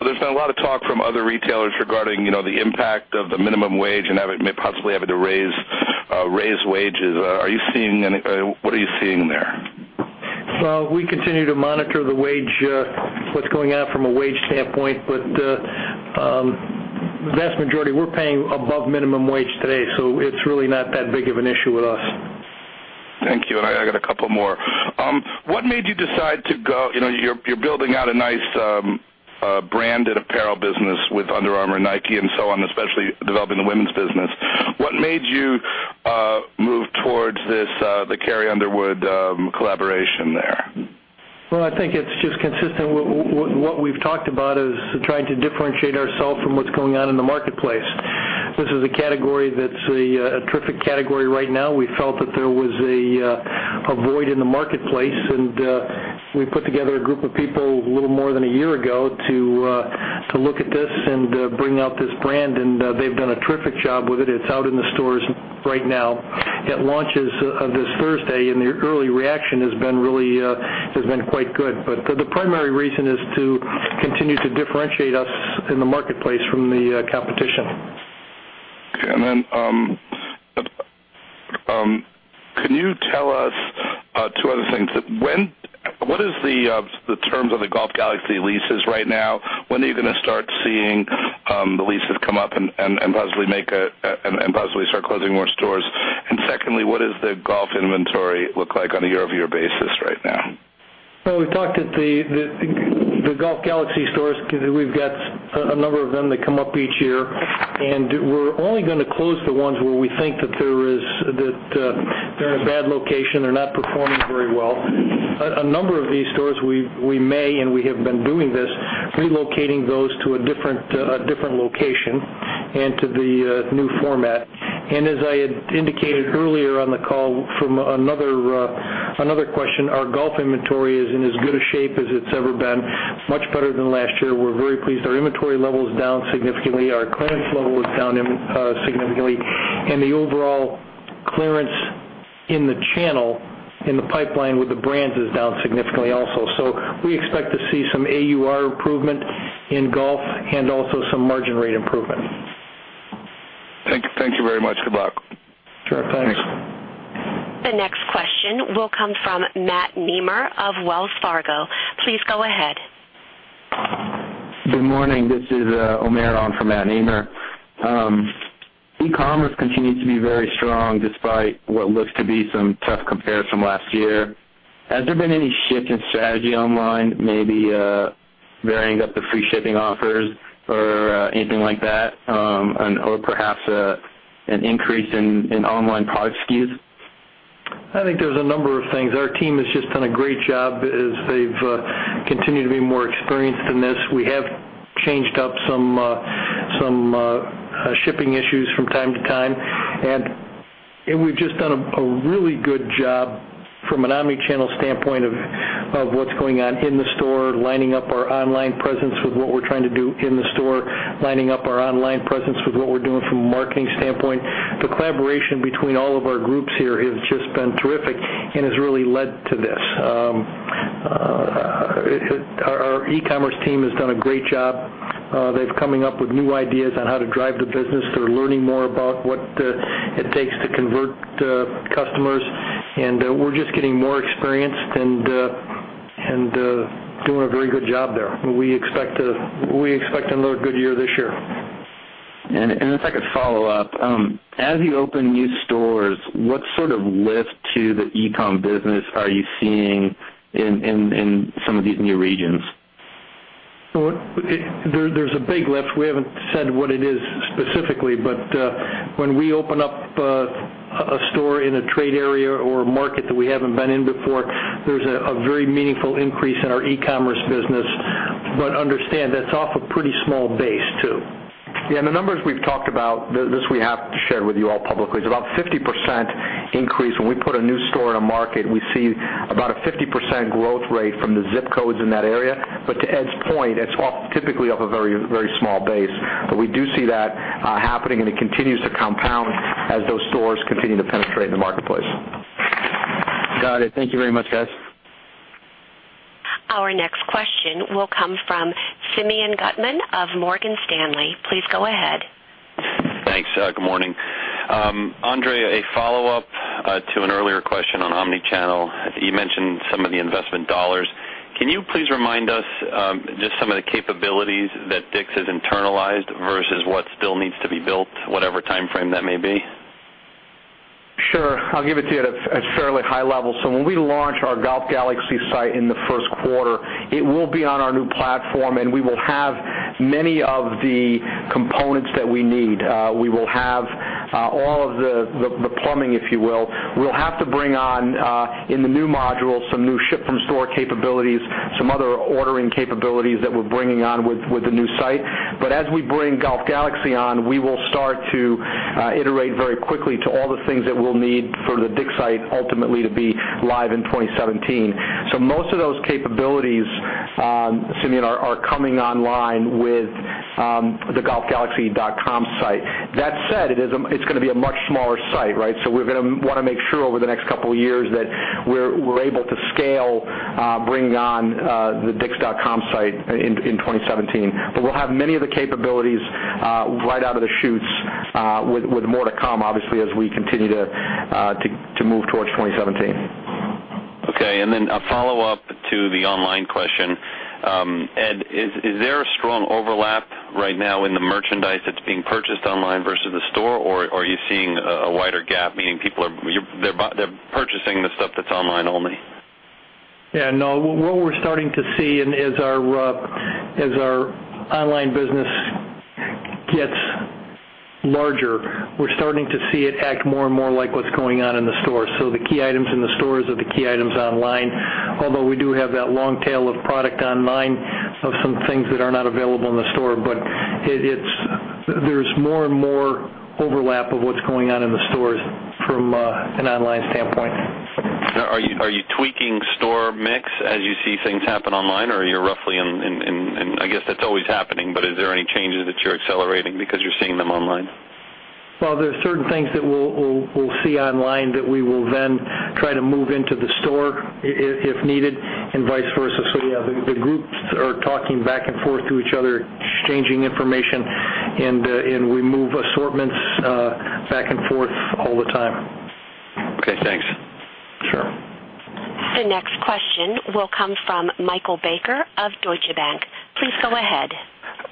There's been a lot of talk from other retailers regarding the impact of the minimum wage and may possibly have to raise wages. What are you seeing there? We continue to monitor what's going on from a wage standpoint. Vast majority, we're paying above minimum wage today, so it's really not that big of an issue with us. Thank you. I got a couple more. You're building out a nice branded apparel business with Under Armour, Nike and so on, especially developing the women's business. What made you move towards the Carrie Underwood collaboration there? Well, I think it's just consistent with what we've talked about, is trying to differentiate ourselves from what's going on in the marketplace. This is a category that's a terrific category right now. We felt that there was a void in the marketplace, we put together a group of people a little more than a year ago to look at this and bring out this brand. They've done a terrific job with it. It's out in the stores right now. It launches this Thursday, the early reaction has been quite good. The primary reason is to continue to differentiate us in the marketplace from the competition. Okay. Can you tell us two other things? What is the terms of the Golf Galaxy leases right now? When are you going to start seeing the leases come up and possibly start closing more stores? Secondly, what does the golf inventory look like on a year-over-year basis right now? We talked at the Golf Galaxy stores, we've got a number of them that come up each year. We're only going to close the ones where we think that they're in a bad location, they're not performing very well. A number of these stores, we may, and we have been doing this, relocating those to a different location and to the new format. As I had indicated earlier on the call from another question, our golf inventory is in as good a shape as it's ever been. Much better than last year. We're very pleased. Our inventory level is down significantly. Our clearance level is down significantly. The overall clearance in the channel, in the pipeline with the brands is down significantly also. We expect to see some AUR improvement in golf and also some margin rate improvement. Thank you very much. Good luck. Sure. Thanks. The next question will come from Matt Nemer of Wells Fargo. Please go ahead. Good morning. This is Omer on for Matt Nemer. e-commerce continues to be very strong despite what looks to be some tough comparison last year. Has there been any shift in strategy online, maybe varying up the free shipping offers or anything like that? Or perhaps an increase in online product SKUs? I think there's a number of things. Our team has just done a great job as they've continued to be more experienced in this. We have changed up some shipping issues from time to time. We've just done a really good job from an omnichannel standpoint of what's going on in the store, lining up our online presence with what we're trying to do in the store, lining up our online presence with what we're doing from a marketing standpoint. The collaboration between all of our groups here has just been terrific. Has really led to this. Our e-commerce team has done a great job. They're coming up with new ideas on how to drive the business. They're learning more about what it takes to convert customers. We're just getting more experienced and doing a very good job there. We expect another good year this year. A second follow-up. As you open new stores, what sort of lift to the e-com business are you seeing in some of these new regions? There's a big lift. We haven't said what it is specifically. When we open up a store in a trade area or a market that we haven't been in before, there's a very meaningful increase in our e-commerce business. Understand, that's off a pretty small base, too. The numbers we've talked about, this we have to share with you all publicly. It's about a 50% increase. When we put a new store in a market, we see about a 50% growth rate from the ZIP codes in that area. To Ed's point, it's off typically off a very small base. We do see that happening, and it continues to compound as those stores continue to penetrate in the marketplace. Got it. Thank you very much, guys. Our next question will come from Simeon Gutman of Morgan Stanley. Please go ahead. Thanks. Good morning. André, a follow-up to an earlier question on omnichannel. You mentioned some of the investment dollars. Can you please remind us just some of the capabilities that DICK'S has internalized versus what still needs to be built, whatever timeframe that may be? Sure. I'll give it to you at a fairly high level. When we launch our Golf Galaxy site in the first quarter, it will be on our new platform, and we will have many of the components that we need. We will have all of the plumbing, if you will. We'll have to bring on, in the new module, some new ship-from-store capabilities, some other ordering capabilities that we're bringing on with the new site. As we bring Golf Galaxy on, we will start to iterate very quickly to all the things that we'll need for the DICK'S site ultimately to be live in 2017. Most of those capabilities, Simeon, are coming online with the golfgalaxy.com site. That said, it's going to be a much smaller site, right? We're going to want to make sure over the next couple of years that we're able to scale bringing on the dicks.com site in 2017. We'll have many of the capabilities right out of the chutes with more to come, obviously, as we continue to move towards 2017. Okay, a follow-up to the online question. Ed, is there a strong overlap right now in the merchandise that's being purchased online versus the store, or are you seeing a wider gap, meaning people are purchasing the stuff that's online only? Yeah, no. What we're starting to see as our online business gets larger, we're starting to see it act more and more like what's going on in the store. The key items in the stores are the key items online, although we do have that long tail of product online of some things that are not available in the store. There's more and more overlap of what's going on in the stores from an online standpoint. Are you tweaking store mix as you see things happen online, or are you roughly I guess that's always happening, but is there any changes that you're accelerating because you're seeing them online? Well, there are certain things that we'll see online that we will then try to move into the store if needed and vice versa. Yeah, the groups are talking back and forth to each other, exchanging information, and we move assortments back and forth all the time. Okay, thanks. Sure. The next question will come from Michael Baker of Deutsche Bank. Please go ahead.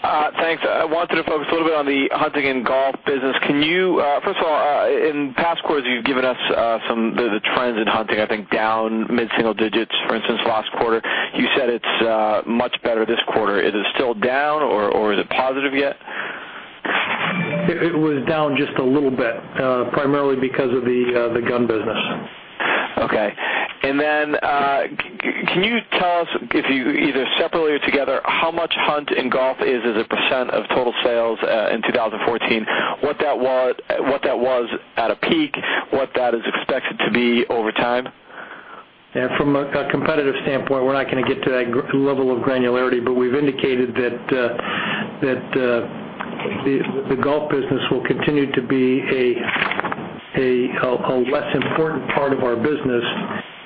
Thanks. I wanted to focus a little bit on the hunting and golf business. First of all, in past quarters, you've given us some of the trends in hunting, I think, down mid-single digits, for instance, last quarter. You said it's much better this quarter. Is it still down or is it positive yet? It was down just a little bit, primarily because of the gun business. Okay. Then can you tell us, either separately or together, how much hunt and golf is as a % of total sales in 2014, what that was at a peak, what that is expected to be over time? Yeah. From a competitive standpoint, we're not going to get to that level of granularity, but we've indicated that the golf business will continue to be a less important part of our business,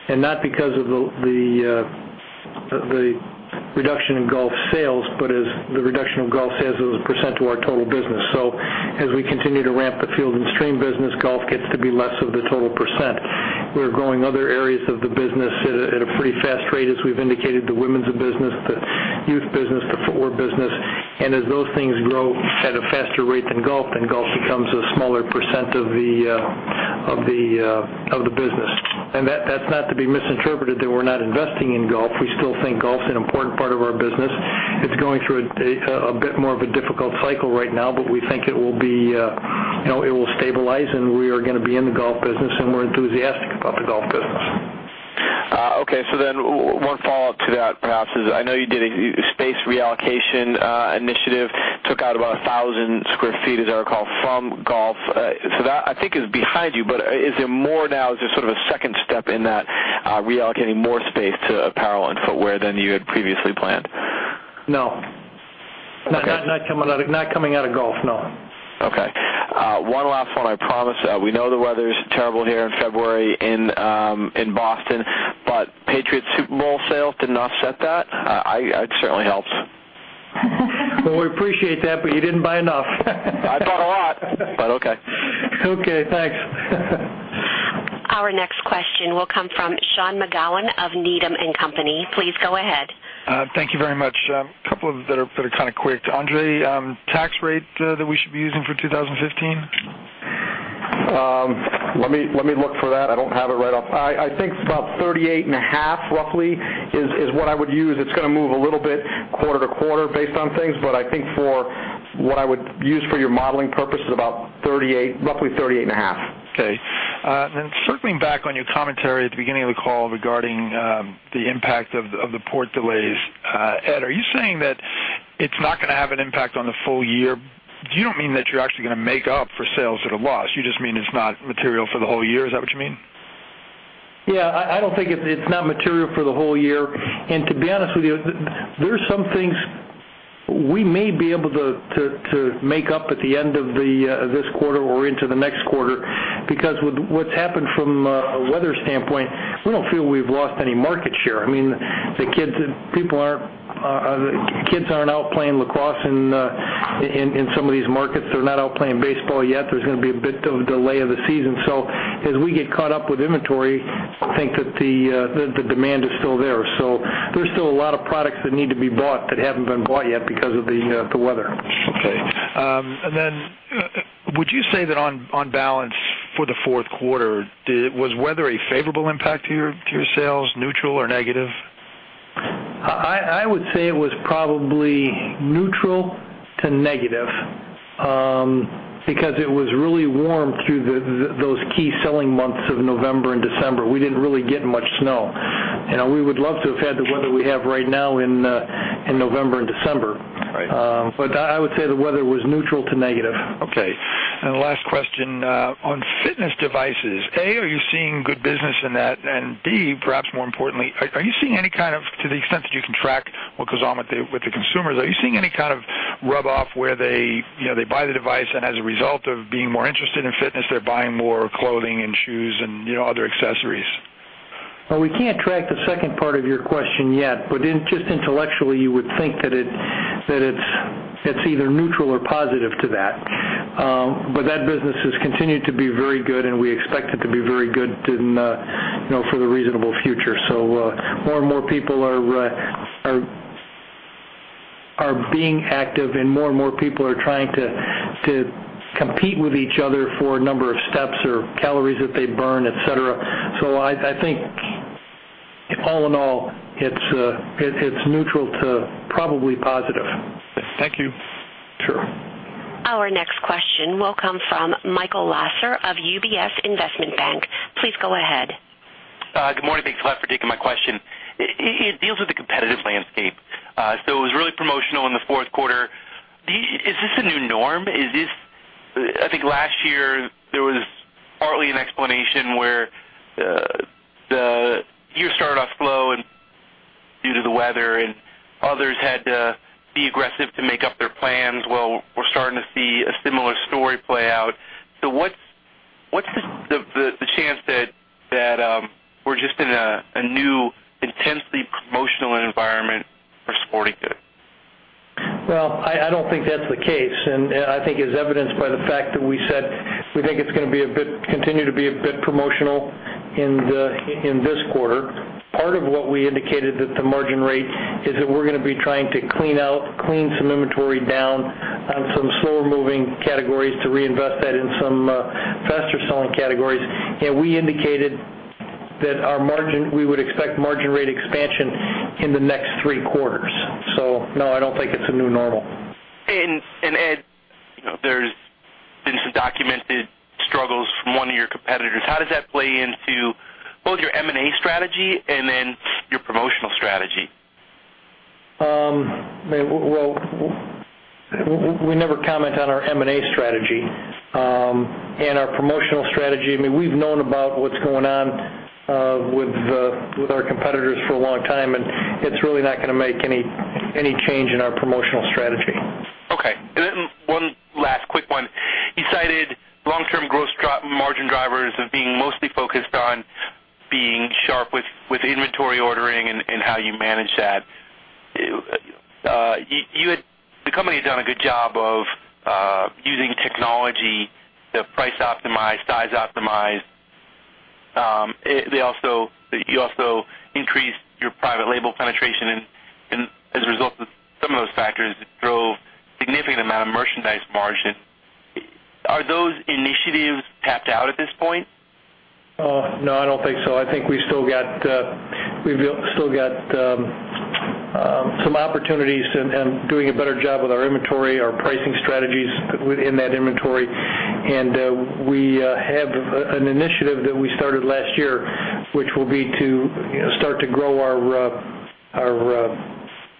and not because of the reduction in golf sales, but as the reduction of golf sales as a % to our total business. As we continue to ramp the Field & Stream business, golf gets to be less of the total %. We're growing other areas of the business at a pretty fast rate, as we've indicated, the women's business, the youth business, the footwear business. As those things grow at a faster rate than golf, then golf becomes a smaller % of the business. That's not to be misinterpreted that we're not investing in golf. We still think golf is an important part of our business. It's going through a bit more of a difficult cycle right now. We think it will stabilize. We are going to be in the golf business. We're enthusiastic about the golf business. Okay, one follow-up to that, perhaps, is I know you did a space reallocation initiative, took out about 1,000 sq ft, as I recall, from golf. That, I think, is behind you, but is there more now? Is there sort of a second step in that, reallocating more space to apparel and footwear than you had previously planned? No. Okay. Not coming out of golf, no. Okay. One last one, I promise. We know the weather is terrible here in February in Boston, but Patriots Super Bowl sales did not offset that? It certainly helps. Well, we appreciate that, but you didn't buy enough. I bought a lot, but okay. Okay, thanks. Our next question will come from Sean McGowan of Needham & Company. Please go ahead. Thank you very much. A couple that are kind of quick. André, tax rate that we should be using for 2015? Let me look for that. I don't have it right off. I think about 38.5%, roughly, is what I would use. It's going to move a little bit quarter-to-quarter based on things. I think for what I would use for your modeling purpose is about roughly 38.5%. Okay. Circling back on your commentary at the beginning of the call regarding the impact of the port delays. Ed, are you saying that it's not going to have an impact on the full year? You don't mean that you're actually going to make up for sales that are lost. You just mean it's not material for the whole year. Is that what you mean? Yeah, I don't think it's not material for the whole year. To be honest with you, there are some things We may be able to make up at the end of this quarter or into the next quarter, because with what's happened from a weather standpoint, we don't feel we've lost any market share. The kids aren't out playing lacrosse in some of these markets. They're not out playing baseball yet. There's going to be a bit of delay of the season. As we get caught up with inventory, I think that the demand is still there. There's still a lot of products that need to be bought that haven't been bought yet because of the weather. Okay. Then would you say that on balance for the fourth quarter, was weather a favorable impact to your sales, neutral, or negative? I would say it was probably neutral to negative. It was really warm through those key selling months of November and December. We didn't really get much snow. We would love to have had the weather we have right now in November and December. Right. I would say the weather was neutral to negative. Okay. The last question, on fitness devices. A, are you seeing good business in that? B, perhaps more importantly, are you seeing any kind of, to the extent that you can track what goes on with the consumers, are you seeing any kind of rub off where they buy the device and as a result of being more interested in fitness, they're buying more clothing and shoes and other accessories? We can't track the second part of your question yet, just intellectually, you would think that it's either neutral or positive to that. That business has continued to be very good, and we expect it to be very good for the reasonable future. More and more people are being active and more and more people are trying to compete with each other for a number of steps or calories that they burn, et cetera. I think all in all, it's neutral to probably positive. Thank you. Sure. Our next question will come from Michael Lasser of UBS Investment Bank. Please go ahead. Good morning. Thanks a lot for taking my question. It deals with the competitive landscape. It was really promotional in the fourth quarter. Is this a new norm? I think last year, there was partly an explanation where the year started off slow and due to the weather and others had to be aggressive to make up their plans. We're starting to see a similar story play out. What's the chance that we're just in a new intensely promotional environment for sporting goods? I don't think that's the case. I think as evidenced by the fact that we said we think it's going to continue to be a bit promotional in this quarter. Part of what we indicated that the margin rate is that we're going to be trying to clean some inventory down on some slower moving categories to reinvest that in some faster selling categories. We indicated that we would expect margin rate expansion in the next three quarters. No, I don't think it's a new normal. Ed, there's been some documented struggles from one of your competitors. How does that play into both your M&A strategy and then your promotional strategy? Well, we never comment on our M&A strategy. Our promotional strategy, we've known about what's going on with our competitors for a long time, and it's really not going to make any change in our promotional strategy. Okay. One last quick one. You cited long-term gross margin drivers as being mostly focused on being sharp with inventory ordering and how you manage that. The company had done a good job of using technology to price optimize, size optimize. You also increased your private label penetration and as a result of some of those factors, it drove significant amount of merchandise margin. Are those initiatives tapped out at this point? No, I don't think so. I think we've still got some opportunities and doing a better job with our inventory, our pricing strategies within that inventory. We have an initiative that we started last year, which will be to start to grow our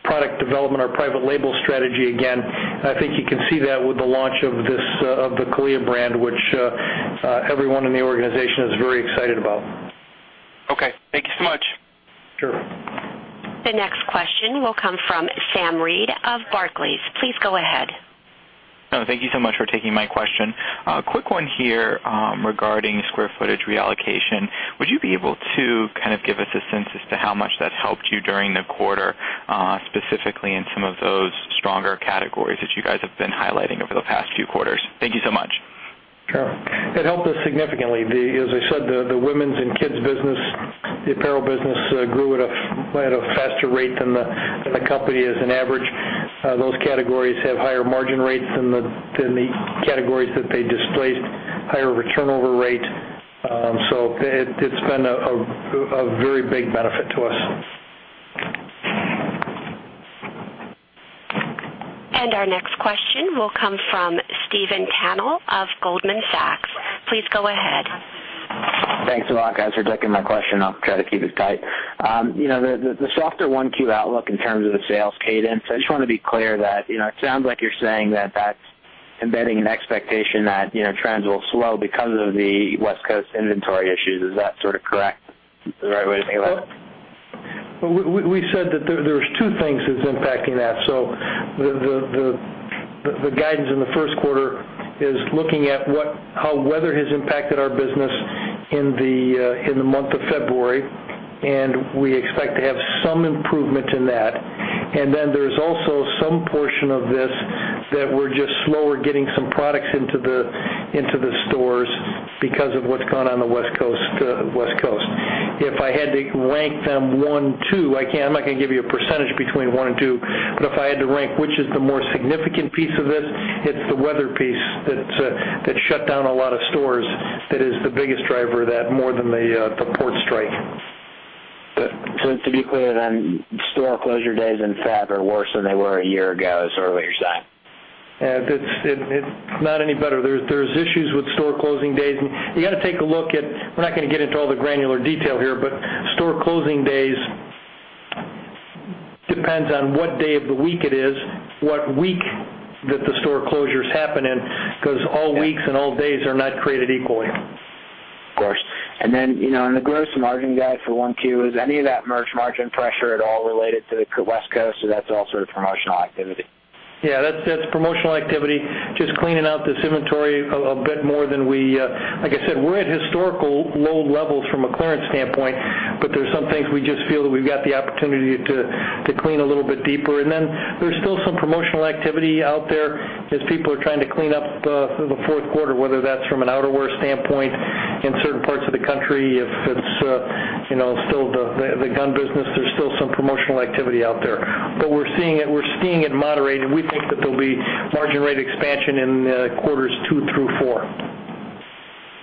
product development, our private label strategy again. I think you can see that with the launch of the CALIA brand, which everyone in the organization is very excited about. Okay. Thank you so much. Sure. The next question will come from Sam Reid of Barclays. Please go ahead. Thank you so much for taking my question. A quick one here regarding square footage reallocation. Would you be able to give us a sense as to how much that's helped you during the quarter, specifically in some of those stronger categories that you guys have been highlighting over the past few quarters? Thank you so much. Sure. It helped us significantly. As I said, the women's and kids business, the apparel business, grew at a faster rate than the company as an average. Those categories have higher margin rates than the categories that they displaced, higher turnover rate. It's been a very big benefit to us. Our next question will come from Stephen Albert of Goldman Sachs. Please go ahead. Thanks a lot, guys, for taking my question. I'll try to keep it tight. The softer 1Q outlook in terms of the sales cadence, I just want to be clear that, it sounds like you're saying that that's embedding an expectation that trends will slow because of the West Coast inventory issues. Is that sort of correct? Is that the right way to think about it? Well, we said that there's two things that's impacting that. The guidance in the first quarter is looking at how weather has impacted our business in the month of February, and we expect to have some improvement in that. Then there's also some portion of this that we're just slower getting some products into the stores because of what's gone on the West Coast. If I had to rank them one, two, I'm not going to give you a percentage between one and two, but if I had to rank which is the more significant piece of this, it's the weather piece that shut down a lot of stores. That is the biggest driver of that, more than the port strike. To be clear, store closure days in Feb are worse than they were a year ago, is where you're saying? It's not any better. There's issues with store closing days. We're not going to get into all the granular detail here, but store closing days depends on what day of the week it is, what week that the store closures happen in, because all weeks and all days are not created equally. Of course. In the gross margin guide for 1Q, is any of that merch margin pressure at all related to the West Coast, or that's all sort of promotional activity? That's promotional activity. Just cleaning out this inventory a bit more. Like I said, we're at historical low levels from a clearance standpoint, but there's some things we just feel that we've got the opportunity to clean a little bit deeper. There's still some promotional activity out there as people are trying to clean up the fourth quarter, whether that's from an outerwear standpoint in certain parts of the country, if it's still the gun business. There's still some promotional activity out there. We're seeing it moderate, and we think that there'll be margin rate expansion in quarters two through four.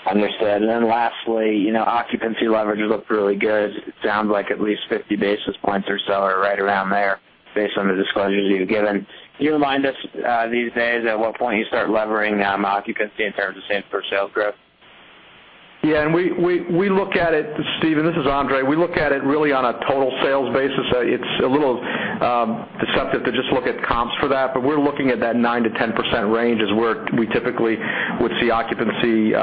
Understood. Lastly, occupancy leverage looked really good. It sounds like at least 50 basis points or so are right around there based on the disclosures you've given. Can you remind us these days at what point you start levering occupancy in terms of same store sales growth? Yeah, we look at it, Steven, this is Andre. We look at it really on a total sales basis. It's a little deceptive to just look at comps for that. We're looking at that 9%-10% range as where we typically would see occupancy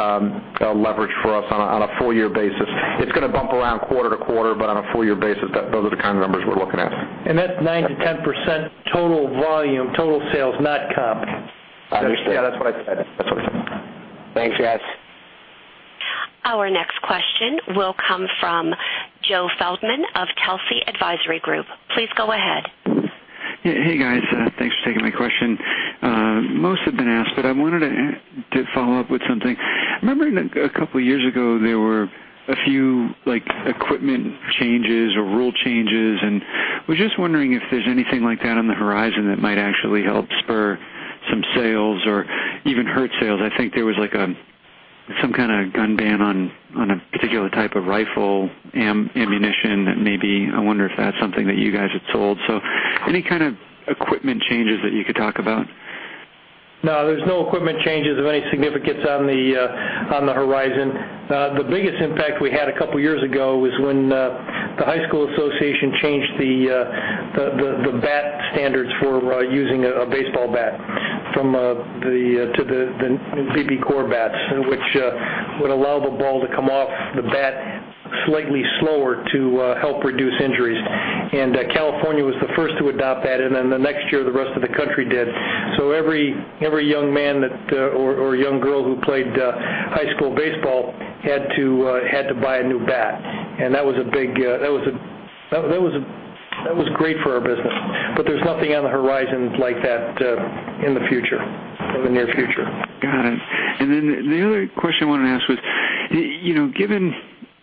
leverage for us on a full year basis. It's going to bump around quarter-to-quarter, but on a full year basis, those are the kind of numbers we're looking at. That 9%-10% total volume, total sales, not comp. Understood. Yeah, that's what I said. That's what I said. Thanks, guys. Our next question will come from Joe Feldman of Telsey Advisory Group. Please go ahead. Hey, guys. Thanks for taking my question. Most have been asked, but I wanted to follow up with something. I remember a couple years ago, there were a few equipment changes or rule changes, and was just wondering if there's anything like that on the horizon that might actually help spur some sales or even hurt sales. I think there was some kind of gun ban on a particular type of rifle ammunition that maybe I wonder if that's something that you guys had sold. Any kind of equipment changes that you could talk about? No, there's no equipment changes of any significance on the horizon. The biggest impact we had a couple of years ago was when the high school association changed the bat standards for using a baseball bat to the new BBCOR bats, which would allow the ball to come off the bat slightly slower to help reduce injuries. California was the first to adopt that, the next year, the rest of the country did. Every young man or young girl who played high school baseball had to buy a new bat. That was great for our business. There's nothing on the horizon like that in the near future. Got it. The other question I wanted to ask was, given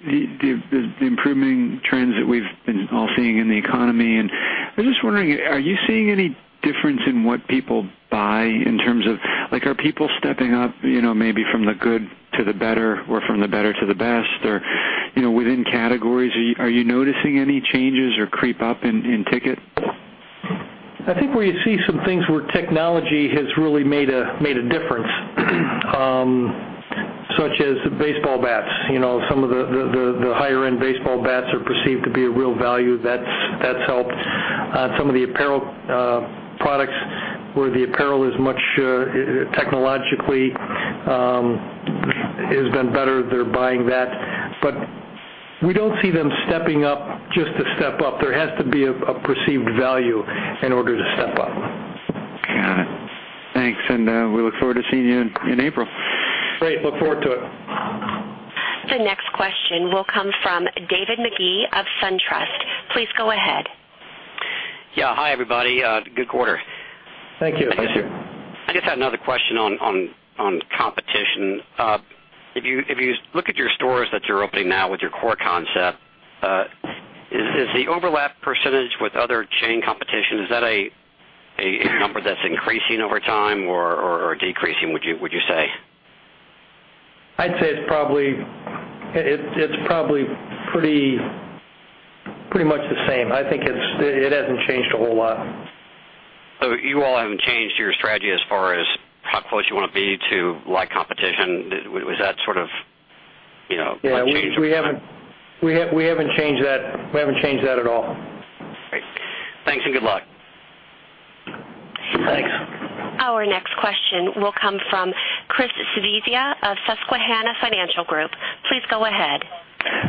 the improving trends that we've been all seeing in the economy, I'm just wondering, are you seeing any difference in what people buy in terms of. Are people stepping up maybe from the good to the better or from the better to the best? Within categories, are you noticing any changes or creep up in ticket? I think where you see some things where technology has really made a difference, such as baseball bats. Some of the higher-end baseball bats are perceived to be a real value. That's helped. Some of the apparel products where the apparel is much technologically has been better. They're buying that. We don't see them stepping up just to step up. There has to be a perceived value in order to step up. Got it. Thanks. We look forward to seeing you in April. Great. Look forward to it. The next question will come from David Magee of SunTrust. Please go ahead. Yeah. Hi, everybody. Good quarter. Thank you. Thanks. I just had another question on competition. If you look at your stores that you're opening now with your core concept, is the overlap percentage with other chain competition, is that a number that's increasing over time or decreasing, would you say? I'd say it's probably pretty much the same. I think it hasn't changed a whole lot. You all haven't changed your strategy as far as how close you want to be to like competition. Was that sort of unchanged? We haven't changed that at all. Thanks and good luck. Thanks. Our next question will come from Christopher Svezia of Susquehanna Financial Group. Please go ahead.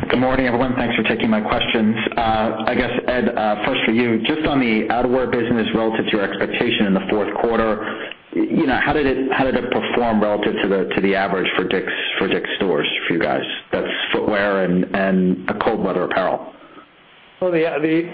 Good morning, everyone. Thanks for taking my questions. I guess, Ed, first for you, just on the outerwear business relative to your expectation in the fourth quarter, how did it perform relative to the average for DICK'S stores for you guys? That's footwear and cold weather apparel. Well, it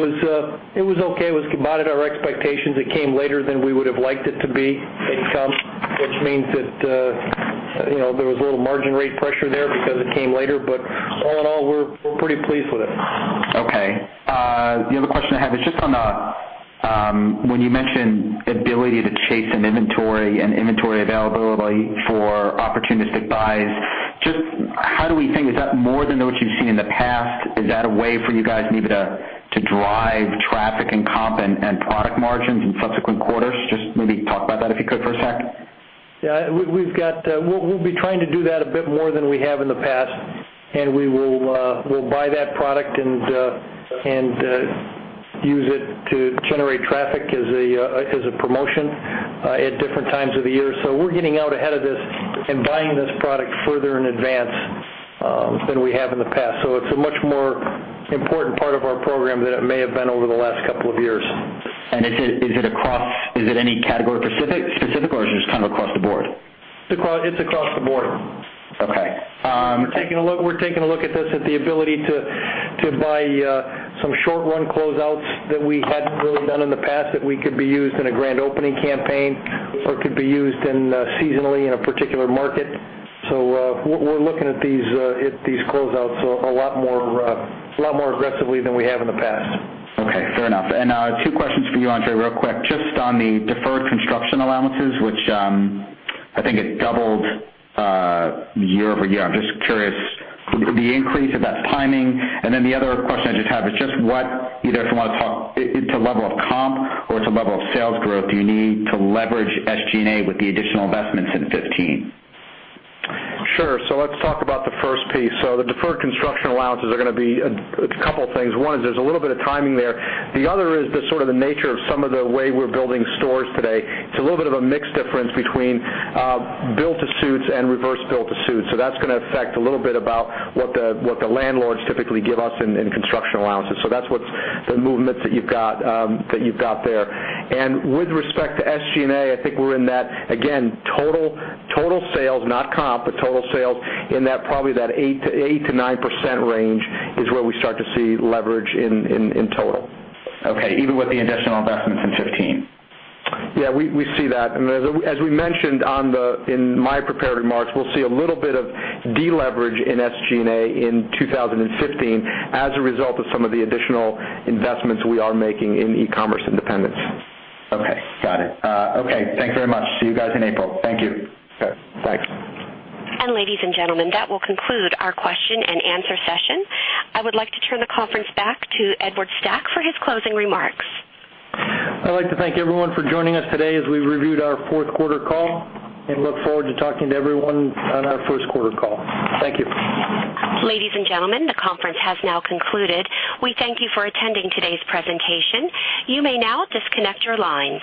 was okay. It was about at our expectations. It came later than we would have liked it to be in comp, which means that there was a little margin rate pressure there because it came later. All in all, we're pretty pleased with it. Okay. The other question I have is just on the, when you mention ability to chase an inventory and inventory availability for opportunistic buys, just how do we think, is that more than what you've seen in the past? Is that a way for you guys maybe to drive traffic and comp and product margins in subsequent quarters? Just maybe talk about that, if you could, for a sec. Yeah. We'll be trying to do that a bit more than we have in the past, and we'll buy that product and use it to generate traffic as a promotion at different times of the year. We're getting out ahead of this and buying this product further in advance than we have in the past. It's a much more important part of our program than it may have been over the last couple of years. Is it any category specific, or does this come across the board? It's across the board. Okay. We're taking a look at this, at the ability to buy some short-run closeouts that we hadn't really done in the past that we could be used in a grand opening campaign or could be used seasonally in a particular market. We're looking at these closeouts a lot more aggressively than we have in the past. Okay, fair enough. Two questions for you, André, real quick. Just on the deferred construction allowances, which I think it doubled year-over-year. I'm just curious, the increase, if that's timing. The other question I just have is just what, either if you want to talk, it's a level of comp or it's a level of sales growth. Do you need to leverage SG&A with the additional investments in 2015? Sure. Let's talk about the first piece. The deferred construction allowances are going to be a couple things. One is there's a little bit of timing there. The other is the sort of the nature of some of the way we're building stores today. It's a little bit of a mix difference between build to suits and reverse build to suits. That's going to affect a little bit about what the landlords typically give us in construction allowances. That's what the movements that you've got there. With respect to SG&A, I think we're in that, again, total sales, not comp, but total sales in that probably that 8%-9% range is where we start to see leverage in total. Okay, even with the additional investments in 2015? we see that. As we mentioned in my prepared remarks, we'll see a little bit of deleverage in SG&A in 2015 as a result of some of the additional investments we are making in e-commerce independence. Okay, got it. Thanks very much. See you guys in April. Thank you. Okay, thanks. Ladies and gentlemen, that will conclude our question and answer session. I would like to turn the conference back to Edward Stack for his closing remarks. I'd like to thank everyone for joining us today as we reviewed our fourth quarter call. Look forward to talking to everyone on our first quarter call. Thank you. Ladies and gentlemen, the conference has now concluded. We thank you for attending today's presentation. You may now disconnect your lines.